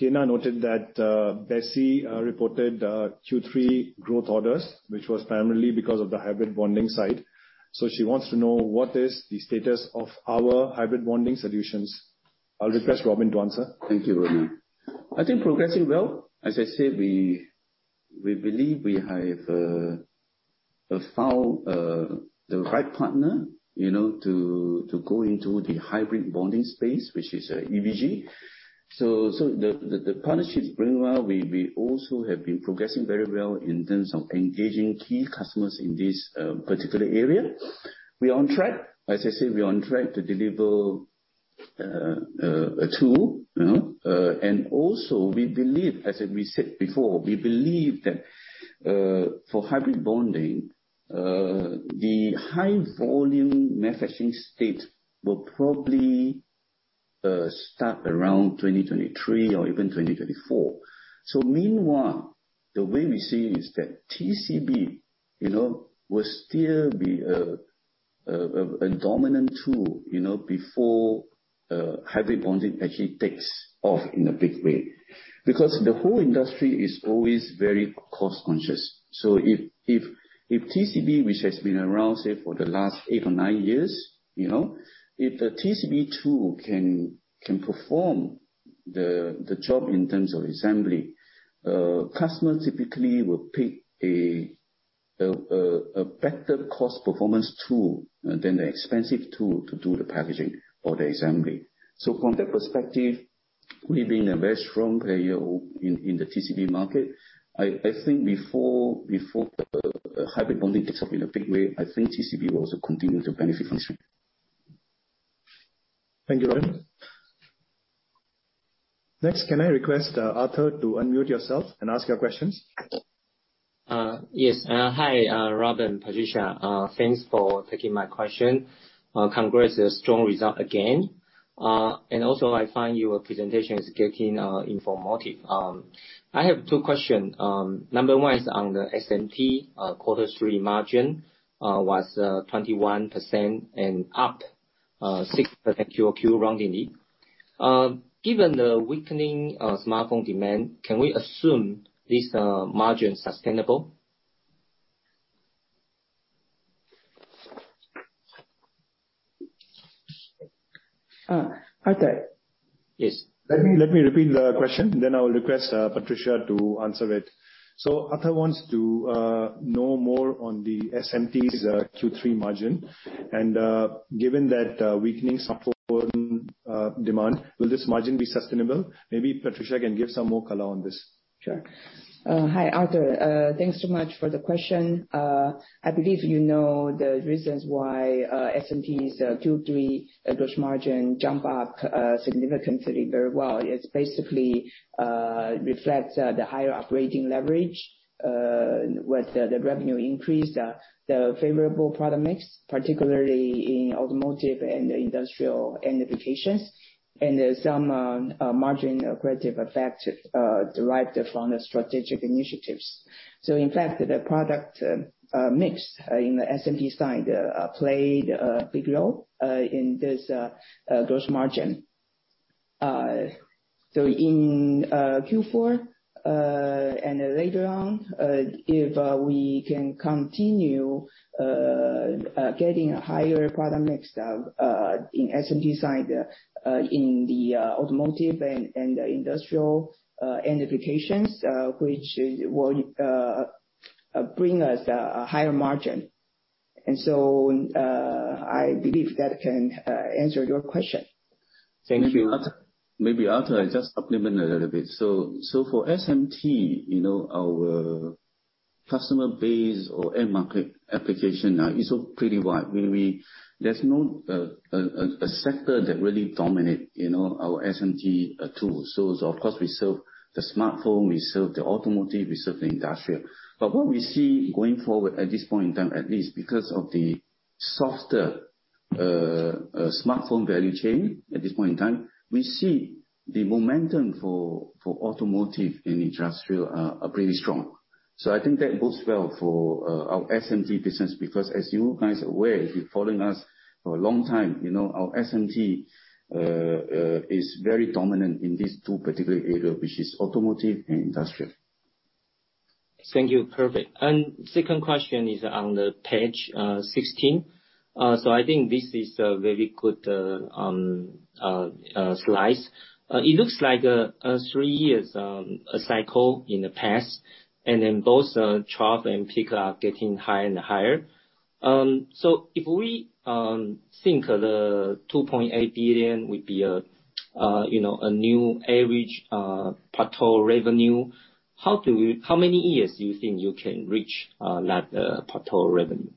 Kyna noted that Besi reported Q3 growth orders, which was primarily because of the hybrid bonding side. She wants to know what is the status of our hybrid bonding solutions. I'll request Robin to answer. Thank you, Romil. I think we're progressing well. As I said, we believe we have found the right partner, you know, to go into the hybrid bonding space, which is EVG. So the partnership is going well. We also have been progressing very well in terms of engaging key customers in this particular area. We're on track. As I said, we're on track to deliver a tool, you know. And also we believe, as we said before, we believe that for hybrid bonding, the high volume manufacturing stage will probably start around 2023 or even 2024. Meanwhile, the way we see it is that TCB, you know, will still be a dominant tool, you know, before hybrid bonding actually takes off in a big way because the whole industry is always very cost-conscious. If TCB, which has been around, say, for the last eight or nine years, you know, if the TCB tool can perform the job in terms of assembly, customer typically will pick a better cost performance tool than the expensive tool to do the packaging or the assembly. From that perspective, we've been a very strong player in the TCB market. I think before the hybrid bonding takes off in a big way, I think TCB will also continue to benefit from it. Thank you, Robin. Next, can I request Arthur to unmute yourself and ask your questions? Yes. Hi, Robin, Patricia. Thanks for taking my question. Congrats, a strong result again. And also I find your presentation is getting informative. I have two questions. Number one is on the SMT quarter three margin was 21% and up 6% QOQ rounded. Given the weakening of smartphone demand, can we assume this margin sustainable? Arthur. Yes. Let me repeat the question then I will request Patricia to answer it. Arthur wants to know more on the SMT's Q3 margin. Given that weakening smartphone demand, will this margin be sustainable? Maybe Patricia can give some more color on this. Sure. Hi, Arthur. Thanks so much for the question. I believe you know the reasons why SMT's Q3 gross margin jump up significantly very well. It basically reflects the higher operating leverage with the revenue increase, the favorable product mix, particularly in automotive and the industrial end applications. There's some margin accretive effect derived from the strategic initiatives. In fact, the product mix in the SMT side played a big role in this gross margin. In Q4 and then later on if we can continue getting a higher product mix in SMT side in the automotive and industrial end applications which will bring us a higher margin. I believe that can answer your question. Thank you. Maybe Arthur, I just supplement a little bit. For SMT, you know, our customer base or end market application now is pretty wide. We—there's no a sector that really dominate, you know, our SMT tools. Of course, we serve the smartphone, we serve the automotive, we serve the industrial. But what we see going forward at this point in time, at least because of the softer smartphone value chain at this point in time. We see the momentum for automotive and industrial are pretty strong. I think that bodes well for our SMT business, because as you guys are aware, if you're following us for a long time, you know, our SMT is very dominant in these two particular areas, which is automotive and industrial. Thank you. Perfect. Second question is on the page 16. I think this is a very good slide. It looks like a three years cycle in the past. Both trough and peak are getting higher and higher. If we think the 2.8 billion would be a you know a new average plateau revenue, how many years do you think you can reach that plateau revenue?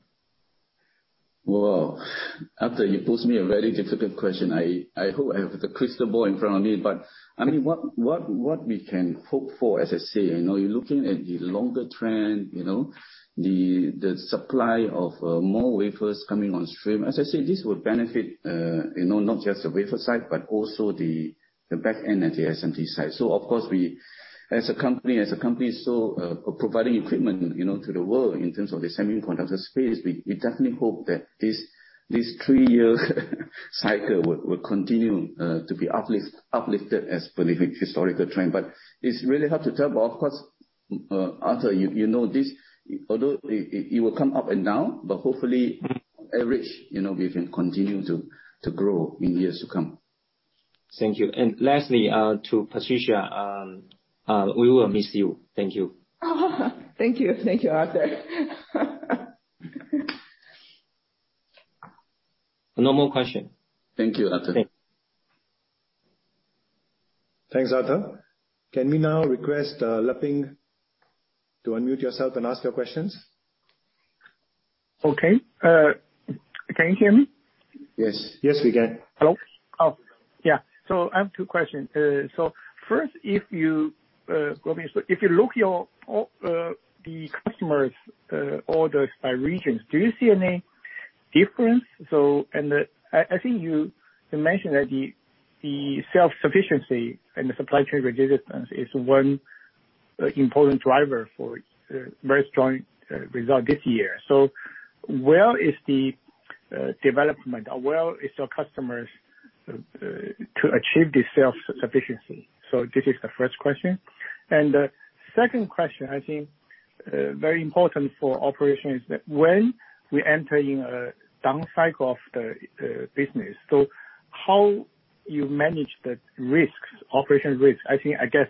Well, Arthur, you pose me a very difficult question. I hope I have the crystal ball in front of me. I mean, what we can hope for, as I say, you know, you're looking at the longer trend, you know, the supply of more wafers coming on stream. As I said, this will benefit, you know, not just the wafer side, but also the back end at the SMT side. Of course, we as a company providing equipment, you know, to the world in terms of the semiconductor space, we definitely hope that this three-year cycle will continue to be uplifted as per the historical trend, but it's really hard to tell. Of course, Arthur, you know this. Although it will come up and down, but hopefully average, you know, we can continue to grow in years to come. Thank you. Lastly, to Patricia, we will miss you. Thank you. Thank you. Thank you, Arthur. No more question. Thank you, Arthur. Thanks. Thanks, Arthur. Can we now request, Leping to unmute yourself and ask your questions? Okay. Can you hear me? Yes. Yes, we can. Hello? Oh, yeah. I have two questions. First, if you, Robin, look at your customers' orders by regions, do you see any difference? I think you mentioned that the self-sufficiency and the supply chain resilience is one important driver for very strong result this year. Where is the development or where is your customers to achieve this self-sufficiency? This is the first question. The second question, I think very important for operations, that when we enter in a down cycle of the business, how you manage the risks, operational risks? I think, I guess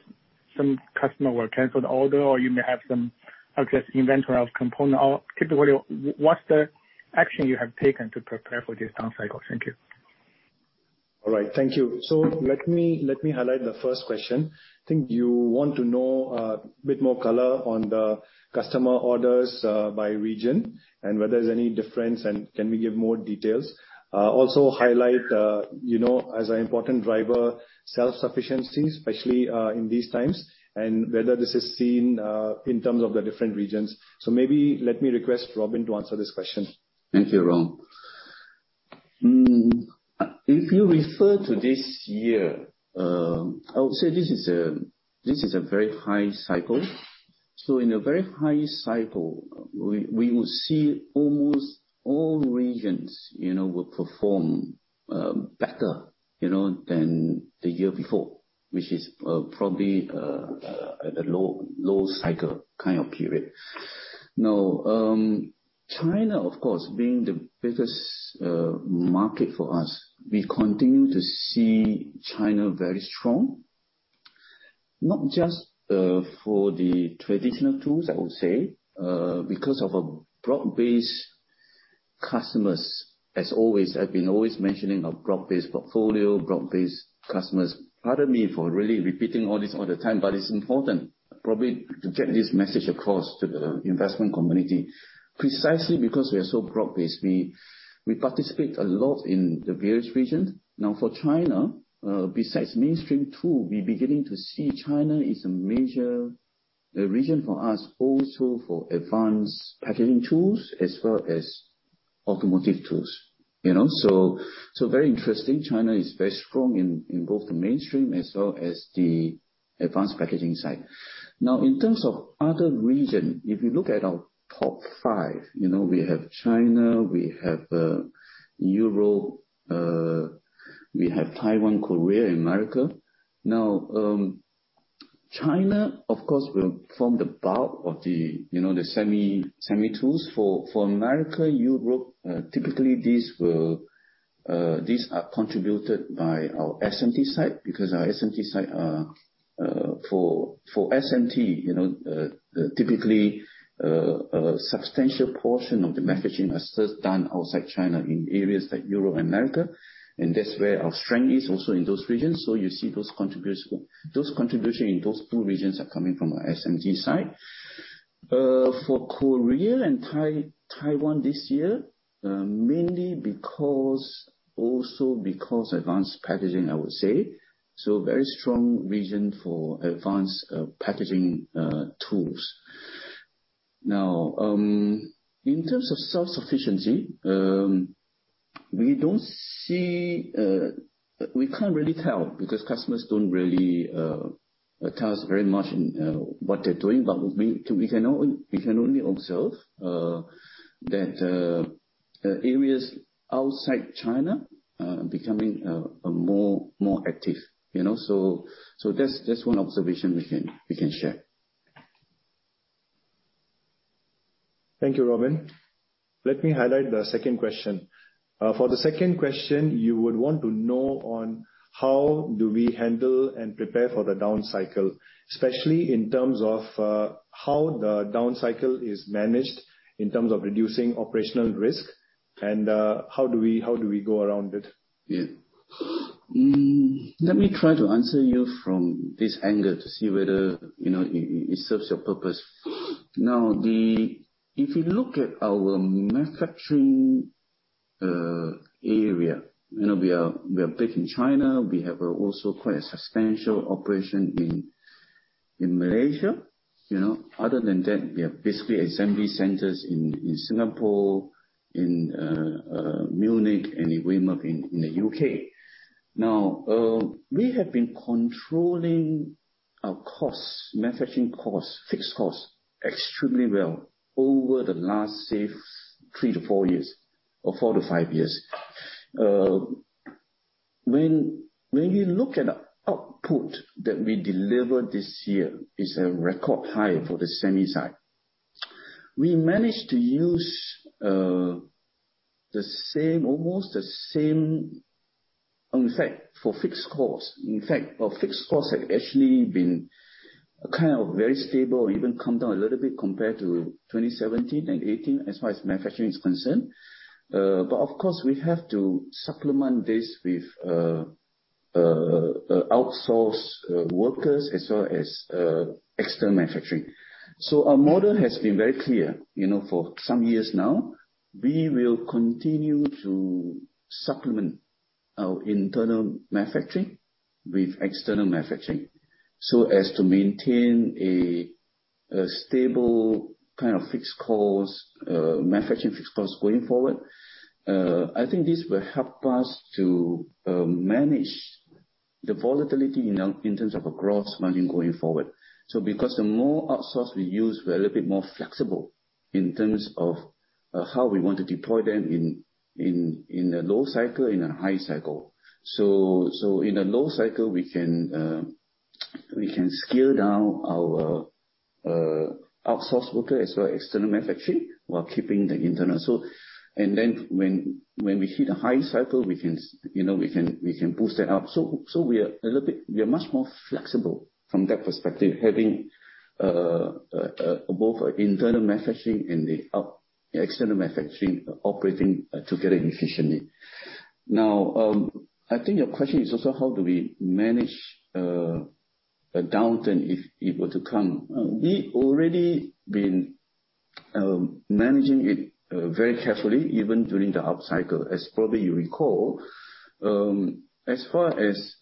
some customer will cancel the order, or you may have some excess inventory of component or capacity. What's the action you have taken to prepare for this down cycle? Thank you. All right. Thank you. Let me highlight the first question. I think you want to know a bit more color on the customer orders by region and whether there's any difference and can we give more details. Also highlight you know as an important driver self-sufficiency especially in these times and whether this is seen in terms of the different regions. Maybe let me request Robin to answer this question. Thank you, Rom. If you refer to this year I would say this is a very high cycle. In a very high cycle we will see almost all regions you know will perform better you know than the year before which is probably at a low cycle kind of period. Now, China, of course, being the biggest market for us, we continue to see China very strong, not just for the traditional tools, I would say, because of a broad-based customers, as always. I've been always mentioning our broad-based portfolio, broad-based customers. Pardon me for really repeating all this all the time, but it's important probably to get this message across to the investment community. Precisely because we are so broad-based, we participate a lot in the various regions. Now for China, besides mainstream tool, we're beginning to see China is a major region for us, also for advanced packaging tools as well as automotive tools, you know. Very interesting. China is very strong in both the mainstream as well as the advanced packaging side. Now, in terms of other region, if you look at our top five, you know, we have China, we have Europe, we have Taiwan, Korea, and America. Now, China, of course, will form the bulk of the, you know, the semi tools. For America, Europe, typically these are contributed by our SMT side because our SMT side for SMT, you know, typically a substantial portion of the manufacturing is still done outside China in areas like Europe and America, and that's where our strength is also in those regions. You see those contributions in those two regions are coming from our SMT side. For Korea and Taiwan this year mainly because, also because advanced packaging, I would say. Very strong region for advanced packaging tools. Now, in terms of self-sufficiency, we can't really tell because customers don't really tell us very much in what they're doing. We can only observe that areas outside China becoming a more active, you know. That's one observation we can share. Thank you, Robin. Let me highlight the second question. For the second question, you would want to know on how do we handle and prepare for the down cycle, especially in terms of, how the down cycle is managed in terms of reducing operational risk and, how do we go around it? Yeah. Let me try to answer you from this angle to see whether, you know, it serves your purpose. Now, if you look at our manufacturing area, you know, we are big in China. We have also quite a substantial operation in Malaysia, you know. Other than that, we have basically assembly centers in Singapore, in Munich and in Weymouth in the U.K. Now, we have been controlling our costs, manufacturing costs, fixed costs, extremely well over the last, say, three to four years or four to five years. When you look at output that we delivered this year is a record high for the semi side. We managed to use the same, almost the same. In fact, for fixed costs, our fixed costs have actually been kind of very stable or even come down a little bit compared to 2017 and 2018 as far as manufacturing is concerned. Of course we have to supplement this with outsourced workers as well as external manufacturing. Our model has been very clear, you know, for some years now. We will continue to supplement our internal manufacturing with external manufacturing so as to maintain a stable kind of fixed costs, manufacturing fixed costs going forward. I think this will help us to manage the volatility in our, in terms of our growth spending going forward. Because the more outsourcing we use, we're a little bit more flexible in terms of how we want to deploy them in a low cycle, in a high cycle. In a low cycle, we can scale down our outsourcing workers for external manufacturing while keeping the internal. Then when we hit a high cycle, we can boost that up. We're a little bit more flexible from that perspective, having both our internal manufacturing and external manufacturing operating together efficiently. I think your question is also how do we manage a downturn if it were to come. We already been managing it very carefully even during the up cycle, as probably you recall. As far as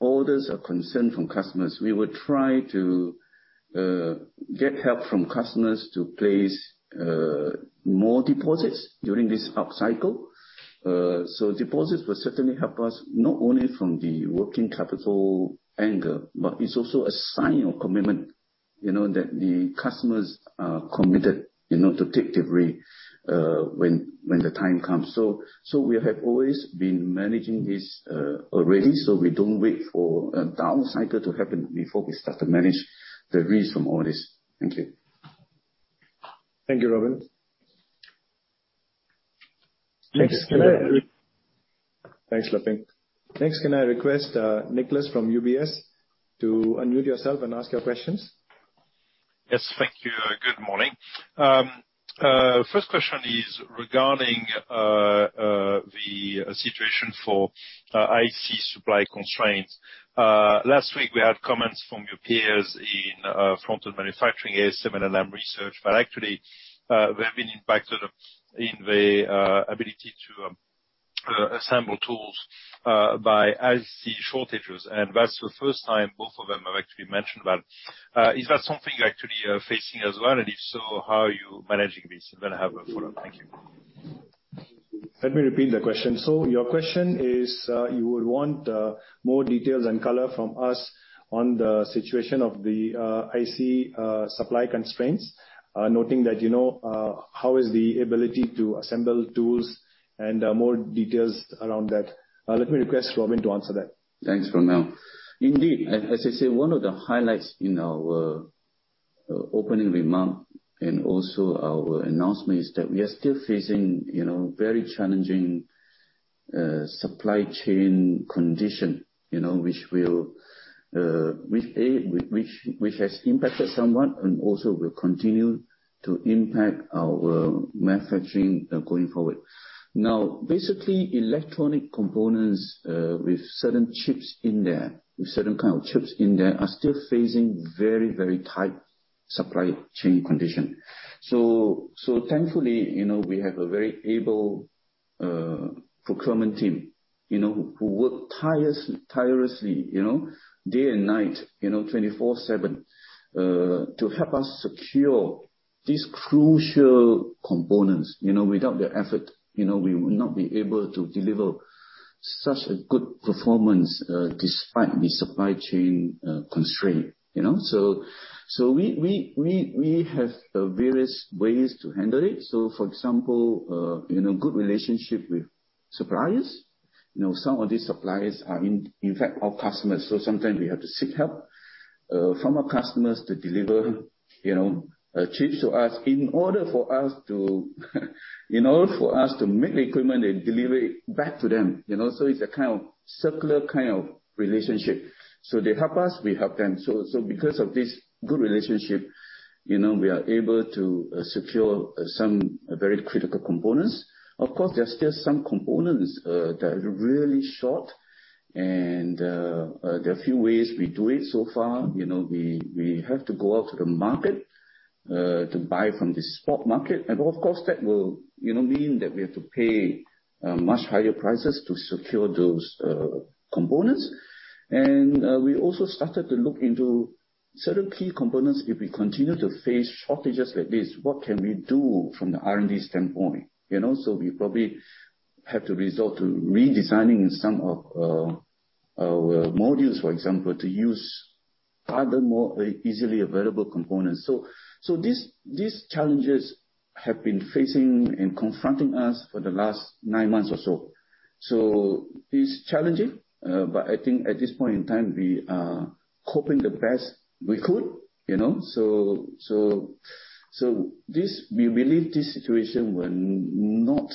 orders are concerned from customers, we would try to get help from customers to place more deposits during this up cycle. So deposits will certainly help us, not only from the working capital angle, but it's also a sign of commitment, you know, that the customers are committed, you know, to take delivery when the time comes. So we have always been managing this already, so we don't wait for a down cycle to happen before we start to manage the risk from all this. Thank you. Thank you, Robin. Thanks. Next, can I- Thanks, Leping. Thanks. Can I request, Nicholas from UBS to unmute yourself and ask your questions? Yes. Thank you. Good morning. First question is regarding the situation for IC supply constraints. Last week we had comments from your peers in front-end manufacturing, ASML and Lam Research, but actually they have been impacted in the ability to assemble tools by IC shortages, and that's the first time both of them have actually mentioned that. Is that something you're actually facing as well? If so, how are you managing this? I have a follow-up. Thank you. Let me repeat the question. Your question is, you would want more details and color from us on the situation of the IC supply constraints, noting that, you know, how is the ability to assemble tools and more details around that. Let me request Robin to answer that. Thanks, Romil. Indeed, as I said, one of the highlights in our opening remark and also our announcement is that we are still facing, you know, very challenging supply chain condition, you know, which has impacted somewhat and also will continue to impact our manufacturing going forward. Now, basically, electronic components with certain chips in there, with certain kind of chips in there, are still facing very, very tight supply chain condition. Thankfully, you know, we have a very able procurement team, you know, who work tirelessly, you know, day and night, you know, 24/7, to help us secure these crucial components. You know, without their effort, you know, we will not be able to deliver such a good performance despite the supply chain constraint, you know? We have various ways to handle it. For example, you know, good relationship with suppliers. You know, some of these suppliers are in fact our customers, so sometimes we have to seek help from our customers to deliver, you know, chips to us in order for us to make the equipment and deliver it back to them, you know. It's a kind of circular kind of relationship. They help us, we help them. Because of this good relationship, you know, we are able to secure some very critical components. Of course, there are still some components that are really short and there are a few ways we do it so far. You know, we have to go out to the market to buy from the spot market. Of course that will, you know, mean that we have to pay much higher prices to secure those components. We also started to look into certain key components, if we continue to face shortages like this, what can we do from the R&D standpoint, you know? We probably have to resort to redesigning some of our modules, for example, to use other more easily available components. These challenges have been facing and confronting us for the last nine months or so. It's challenging, but I think at this point in time, we are coping the best we could, you know. We believe this situation will not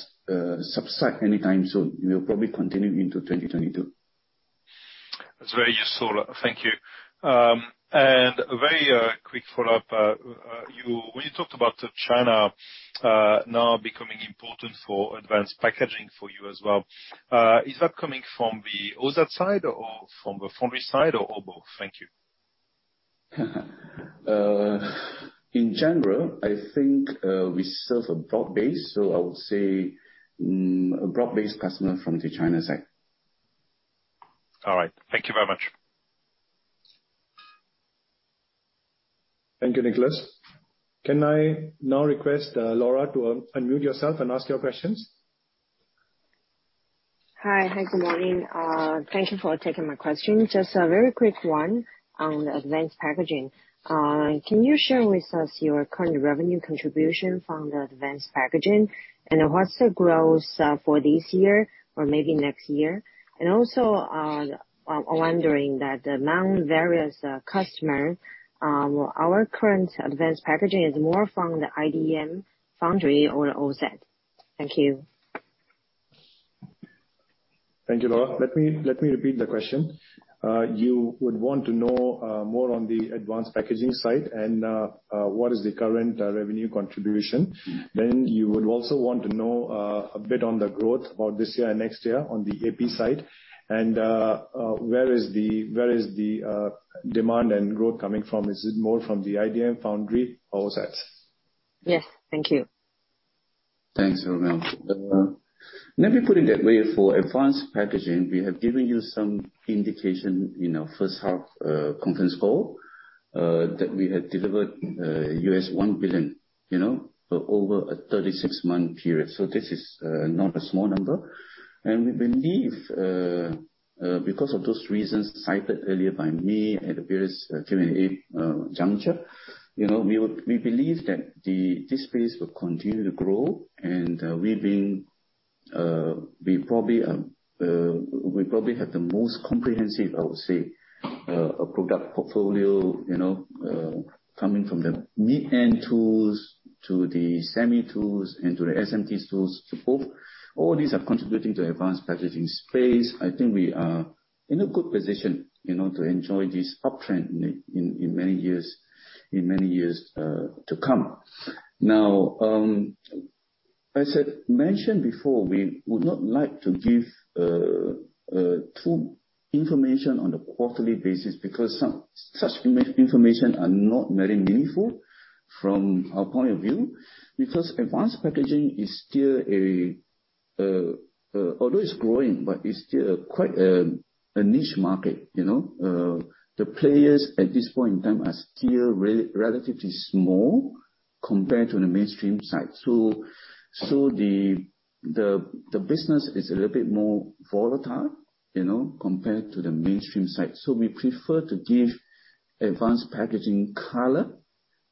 subside anytime soon. It will probably continue into 2022. That's very useful. Thank you. A very quick follow-up. When you talked about China, now becoming important for advanced packaging for you as well, is that coming from the OSAT side or from the foundry side or both? Thank you. In general, I think we serve a broad base, so I would say a broad-based customer from the China side. All right. Thank you very much. Thank you, Nicholas. Can I now request, Laura to unmute yourself and ask your questions? Hi. Good morning. Thank you for taking my question. Just a very quick one on the advanced packaging. Can you share with us your current revenue contribution from the advanced packaging, and what's the growth for this year or maybe next year? Also, I'm wondering that among various customers, our current advanced packaging is more from the IDM foundry or OSAT? Thank you. Thank you, Laura. Let me repeat the question. You would want to know more on the advanced packaging side and what is the current revenue contribution. Then you would also want to know a bit on the growth for this year and next year on the AP side, and where is the demand and growth coming from? Is it more from the IDM foundry or OSAT? Yes. Thank you. Thanks, Romil. Let me put it that way. For advanced packaging, we have given you some indication in our first half conference call that we had delivered $1 billion, you know, for over a 36-month period. This is not a small number. We believe because of those reasons cited earlier by me at the various Q&A juncture, you know, we believe that this space will continue to grow and we've been, we probably have the most comprehensive, I would say, product portfolio, you know, coming from the mid-end tools to the semi tools and to the SMT tools to both. All these are contributing to advanced packaging space. I think we are in a good position, you know, to enjoy this uptrend in many years to come. Now, as I mentioned before, we would not like to give too much information on a quarterly basis because some such information are not very meaningful from our point of view. Because advanced packaging is still a niche market, although it's growing, but it's still quite a niche market, you know. The players at this point in time are still relatively small compared to the mainstream side. The business is a little bit more volatile, you know, compared to the mainstream side. We prefer to give advanced packaging color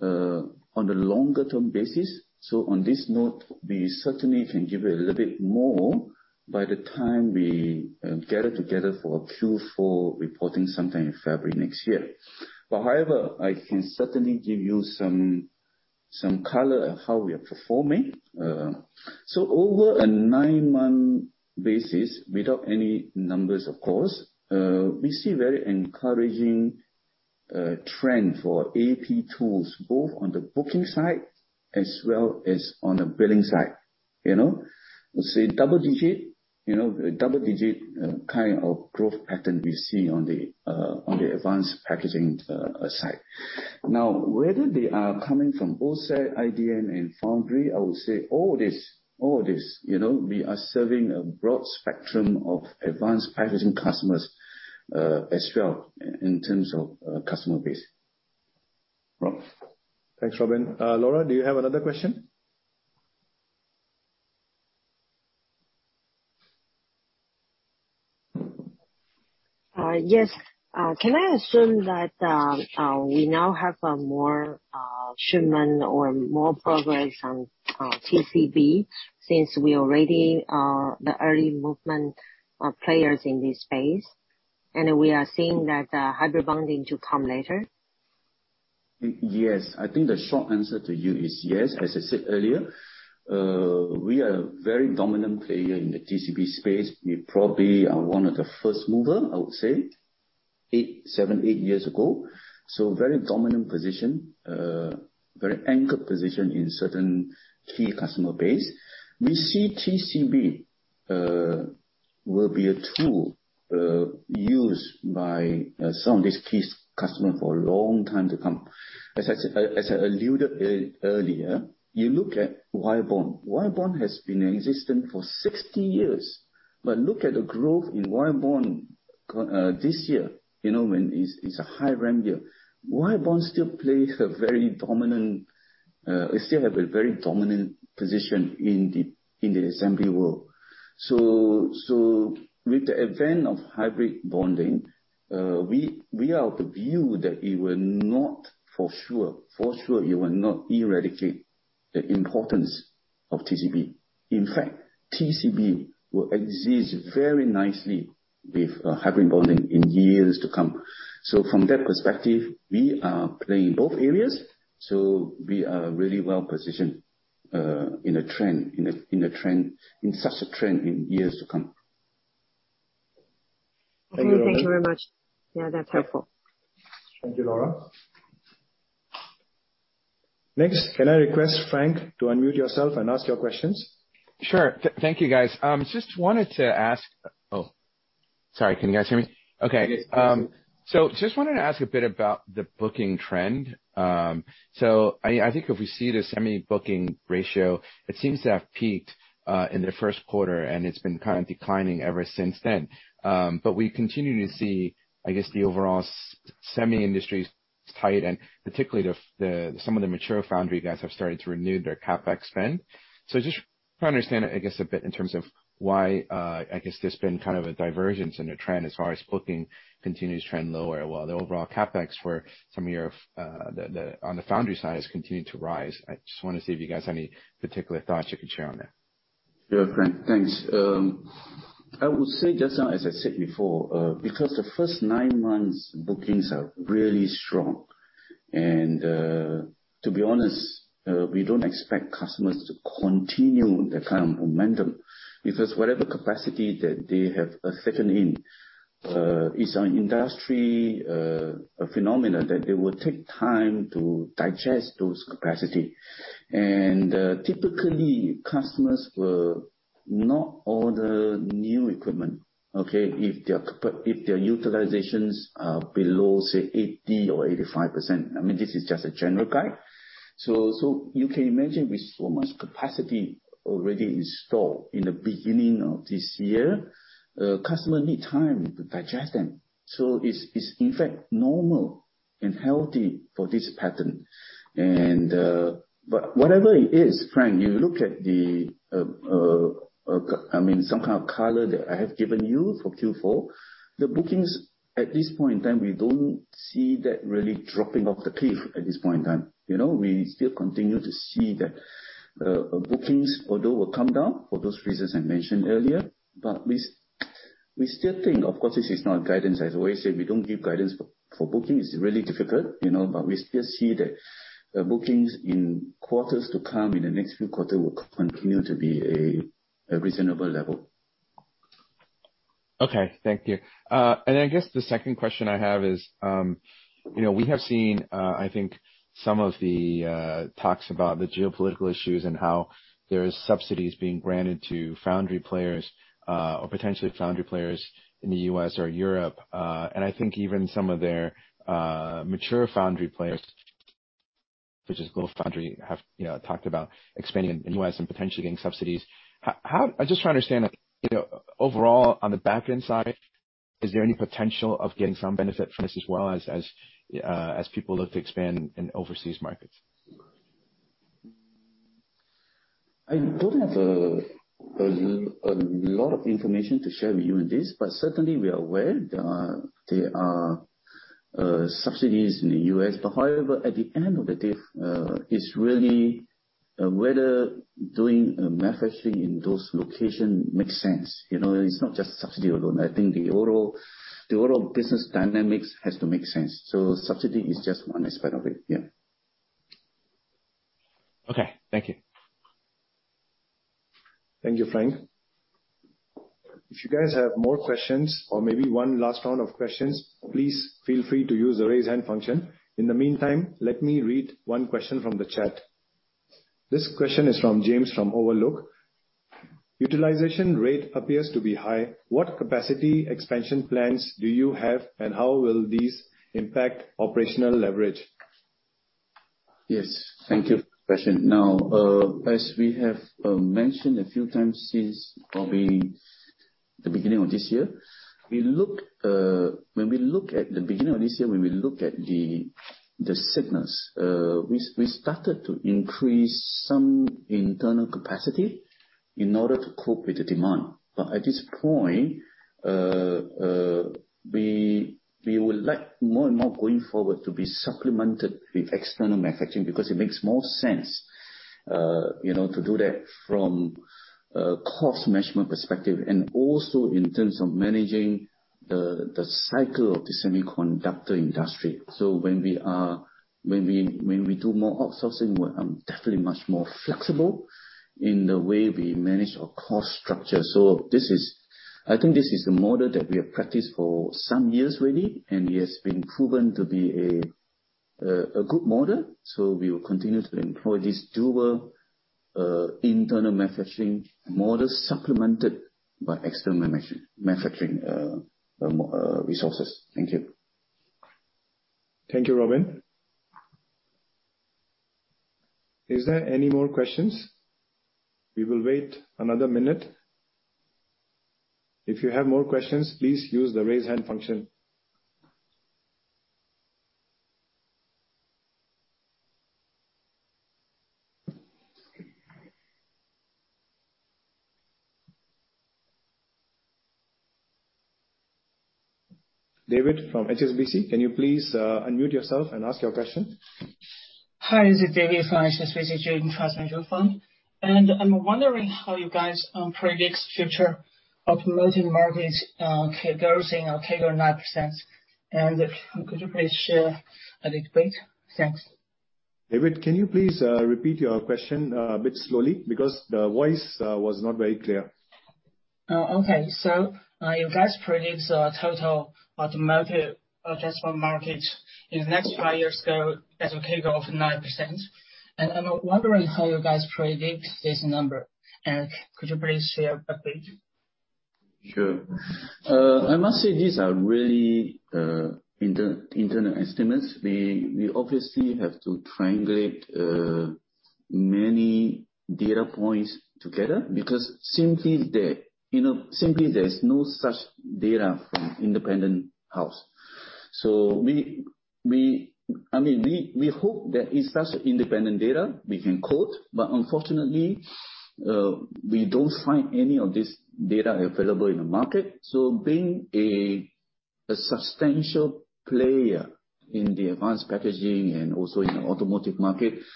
on the longer term basis. On this note, we certainly can give a little bit more by the time we gather together for Q4 reporting sometime in February next year. However, I can certainly give you some color on how we are performing. Over a nine-month basis, without any numbers of course, we see very encouraging trend for AP tools, both on the booking side as well as on the billing side. You know? Let's say double digit, you know, kind of growth pattern we see on the advanced packaging side. Now, whether they are coming from OSAT, IDM and foundry, I would say all this, you know, we are serving a broad spectrum of advanced packaging customers, as well in terms of customer base. Rob. Thanks, Robin. Laura, do you have another question? Yes. Can I assume that we now have more shipment or more progress on TCB since we already are the early movement of players in this space, and we are seeing that hybrid bonding to come later? Yes. I think the short answer to you is yes. As I said earlier, we are a very dominant player in the TCB space. We probably are one of the first mover, I would say, eight, seven, eight years ago. Very dominant position, very anchored position in certain key customer base. We see TCB will be a tool used by some of these key customers for a long time to come. As I alluded earlier, you look at wire bond. Wire bond has been in existence for 60 years. Look at the growth in wire bond this year, you know, when it is a high RAM year. Wire bond still plays a very dominant, it still have a very dominant position in the assembly world. With the advent of hybrid bonding, we are of the view that it will not for sure eradicate the importance of TCB. In fact, TCB will exist very nicely with hybrid bonding in years to come. From that perspective, we are playing both areas, so we are really well-positioned in such a trend in years to come. Thank you, Laura. Okay. Thank you very much. Yeah, that's helpful. Thank you, Laura. Next, can I request Frank to unmute yourself and ask your questions? Sure. Thank you, guys. Just wanted to ask. Oh, sorry, can you guys hear me? Okay. Yes. Just wanted to ask a bit about the booking trend. I think if we see the semi book-to-bill ratio, it seems to have peaked in the first quarter, and it's been kind of declining ever since then. We continue to see, I guess, the overall semi industry is tight, and particularly some of the mature foundry guys have started to renew their CapEx spend. Just trying to understand, I guess, a bit in terms of why, I guess, there's been kind of a divergence in the trend as far as booking continues to trend lower, while the overall CapEx for some of your on the foundry side has continued to rise. I just wanna see if you guys have any particular thoughts you could share on that. Yeah, Frank, thanks. I will say just as I said before, because the first nine months bookings are really strong and, to be honest, we don't expect customers to continue that kind of momentum because whatever capacity that they have settled in is an industry phenomena that they will take time to digest those capacity. Typically customers will not order new equipment, okay, if their utilizations are below, say, 80% or 85%. I mean, this is just a general guide. You can imagine with so much capacity already installed in the beginning of this year, customer need time to digest them. It's in fact normal and healthy for this pattern. Whatever it is, Frank, you look at the, I mean, some kind of color that I have given you for Q4, the bookings at this point in time, we don't see that really dropping off the cliff at this point in time. You know, we still continue to see that, bookings although will come down for those reasons I mentioned earlier, but we still think. Of course, this is not guidance. As I always say, we don't give guidance for bookings. It's really difficult, you know. We still see that, bookings in quarters to come in the next few quarter will continue to be a reasonable level. Okay. Thank you. I guess the second question I have is, you know, we have seen, I think some of the talks about the geopolitical issues and how there's subsidies being granted to foundry players, or potentially foundry players in the U.S. or Europe. I think even some of their mature foundry players, such as GlobalFoundries, have, you know, talked about expanding in U.S. and potentially getting subsidies. I'm just trying to understand, you know, overall, on the back-end side, is there any potential of getting some benefit from this as well as people look to expand in overseas markets? I don't have a lot of information to share with you on this, but certainly we are aware there are subsidies in the U.S. However, at the end of the day, it's really whether doing a manufacturing in those location makes sense. You know, it's not just subsidy alone. I think the overall business dynamics has to make sense. Subsidy is just one aspect of it. Yeah. Okay. Thank you. Thank you, Frank. If you guys have more questions or maybe one last round of questions, please feel free to use the Raise Hand function. In the meantime, let me read one question from the chat. This question is from James, from Overlook. Utilization rate appears to be high. What capacity expansion plans do you have, and how will these impact operational leverage? Yes. Thank you for the question. Now, as we have mentioned a few times since probably the beginning of this year, when we look at the beginning of this year, when we look at the signals, we started to increase some internal capacity in order to cope with the demand. But at this point, we would like more and more going forward to be supplemented with external manufacturing because it makes more sense, you know, to do that from a cost management perspective and also in terms of managing the cycle of the semiconductor industry. When we do more outsourcing, we're definitely much more flexible in the way we manage our cost structure. I think this is the model that we have practiced for some years already, and it has been proven to be a good model. We will continue to employ this dual internal manufacturing model supplemented by external manufacturing resources. Thank you. Thank you, Robin. Is there any more questions? We will wait another minute. If you have more questions, please use the Raise Hand function. David from HSBC, can you please unmute yourself and ask your question? Hi. This is David from HSBC.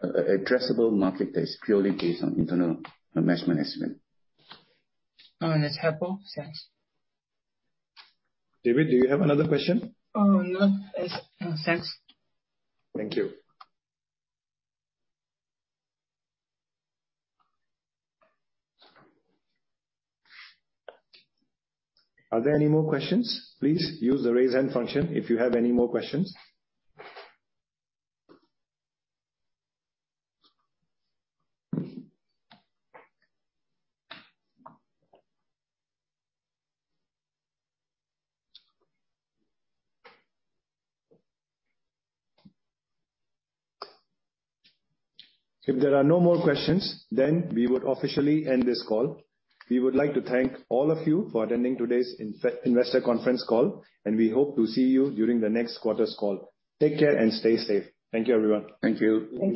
David, do you have another question? No. That's all. Thanks. Thank you. Are there any more questions? Please use the Raise Hand function if you have any more questions. If there are no more questions, then we would officially end this call. We would like to thank all of you for attending today's investor conference call, and we hope to see you during the next quarter's call. Take care and stay safe. Thank you, everyone. Thank you. Thank you.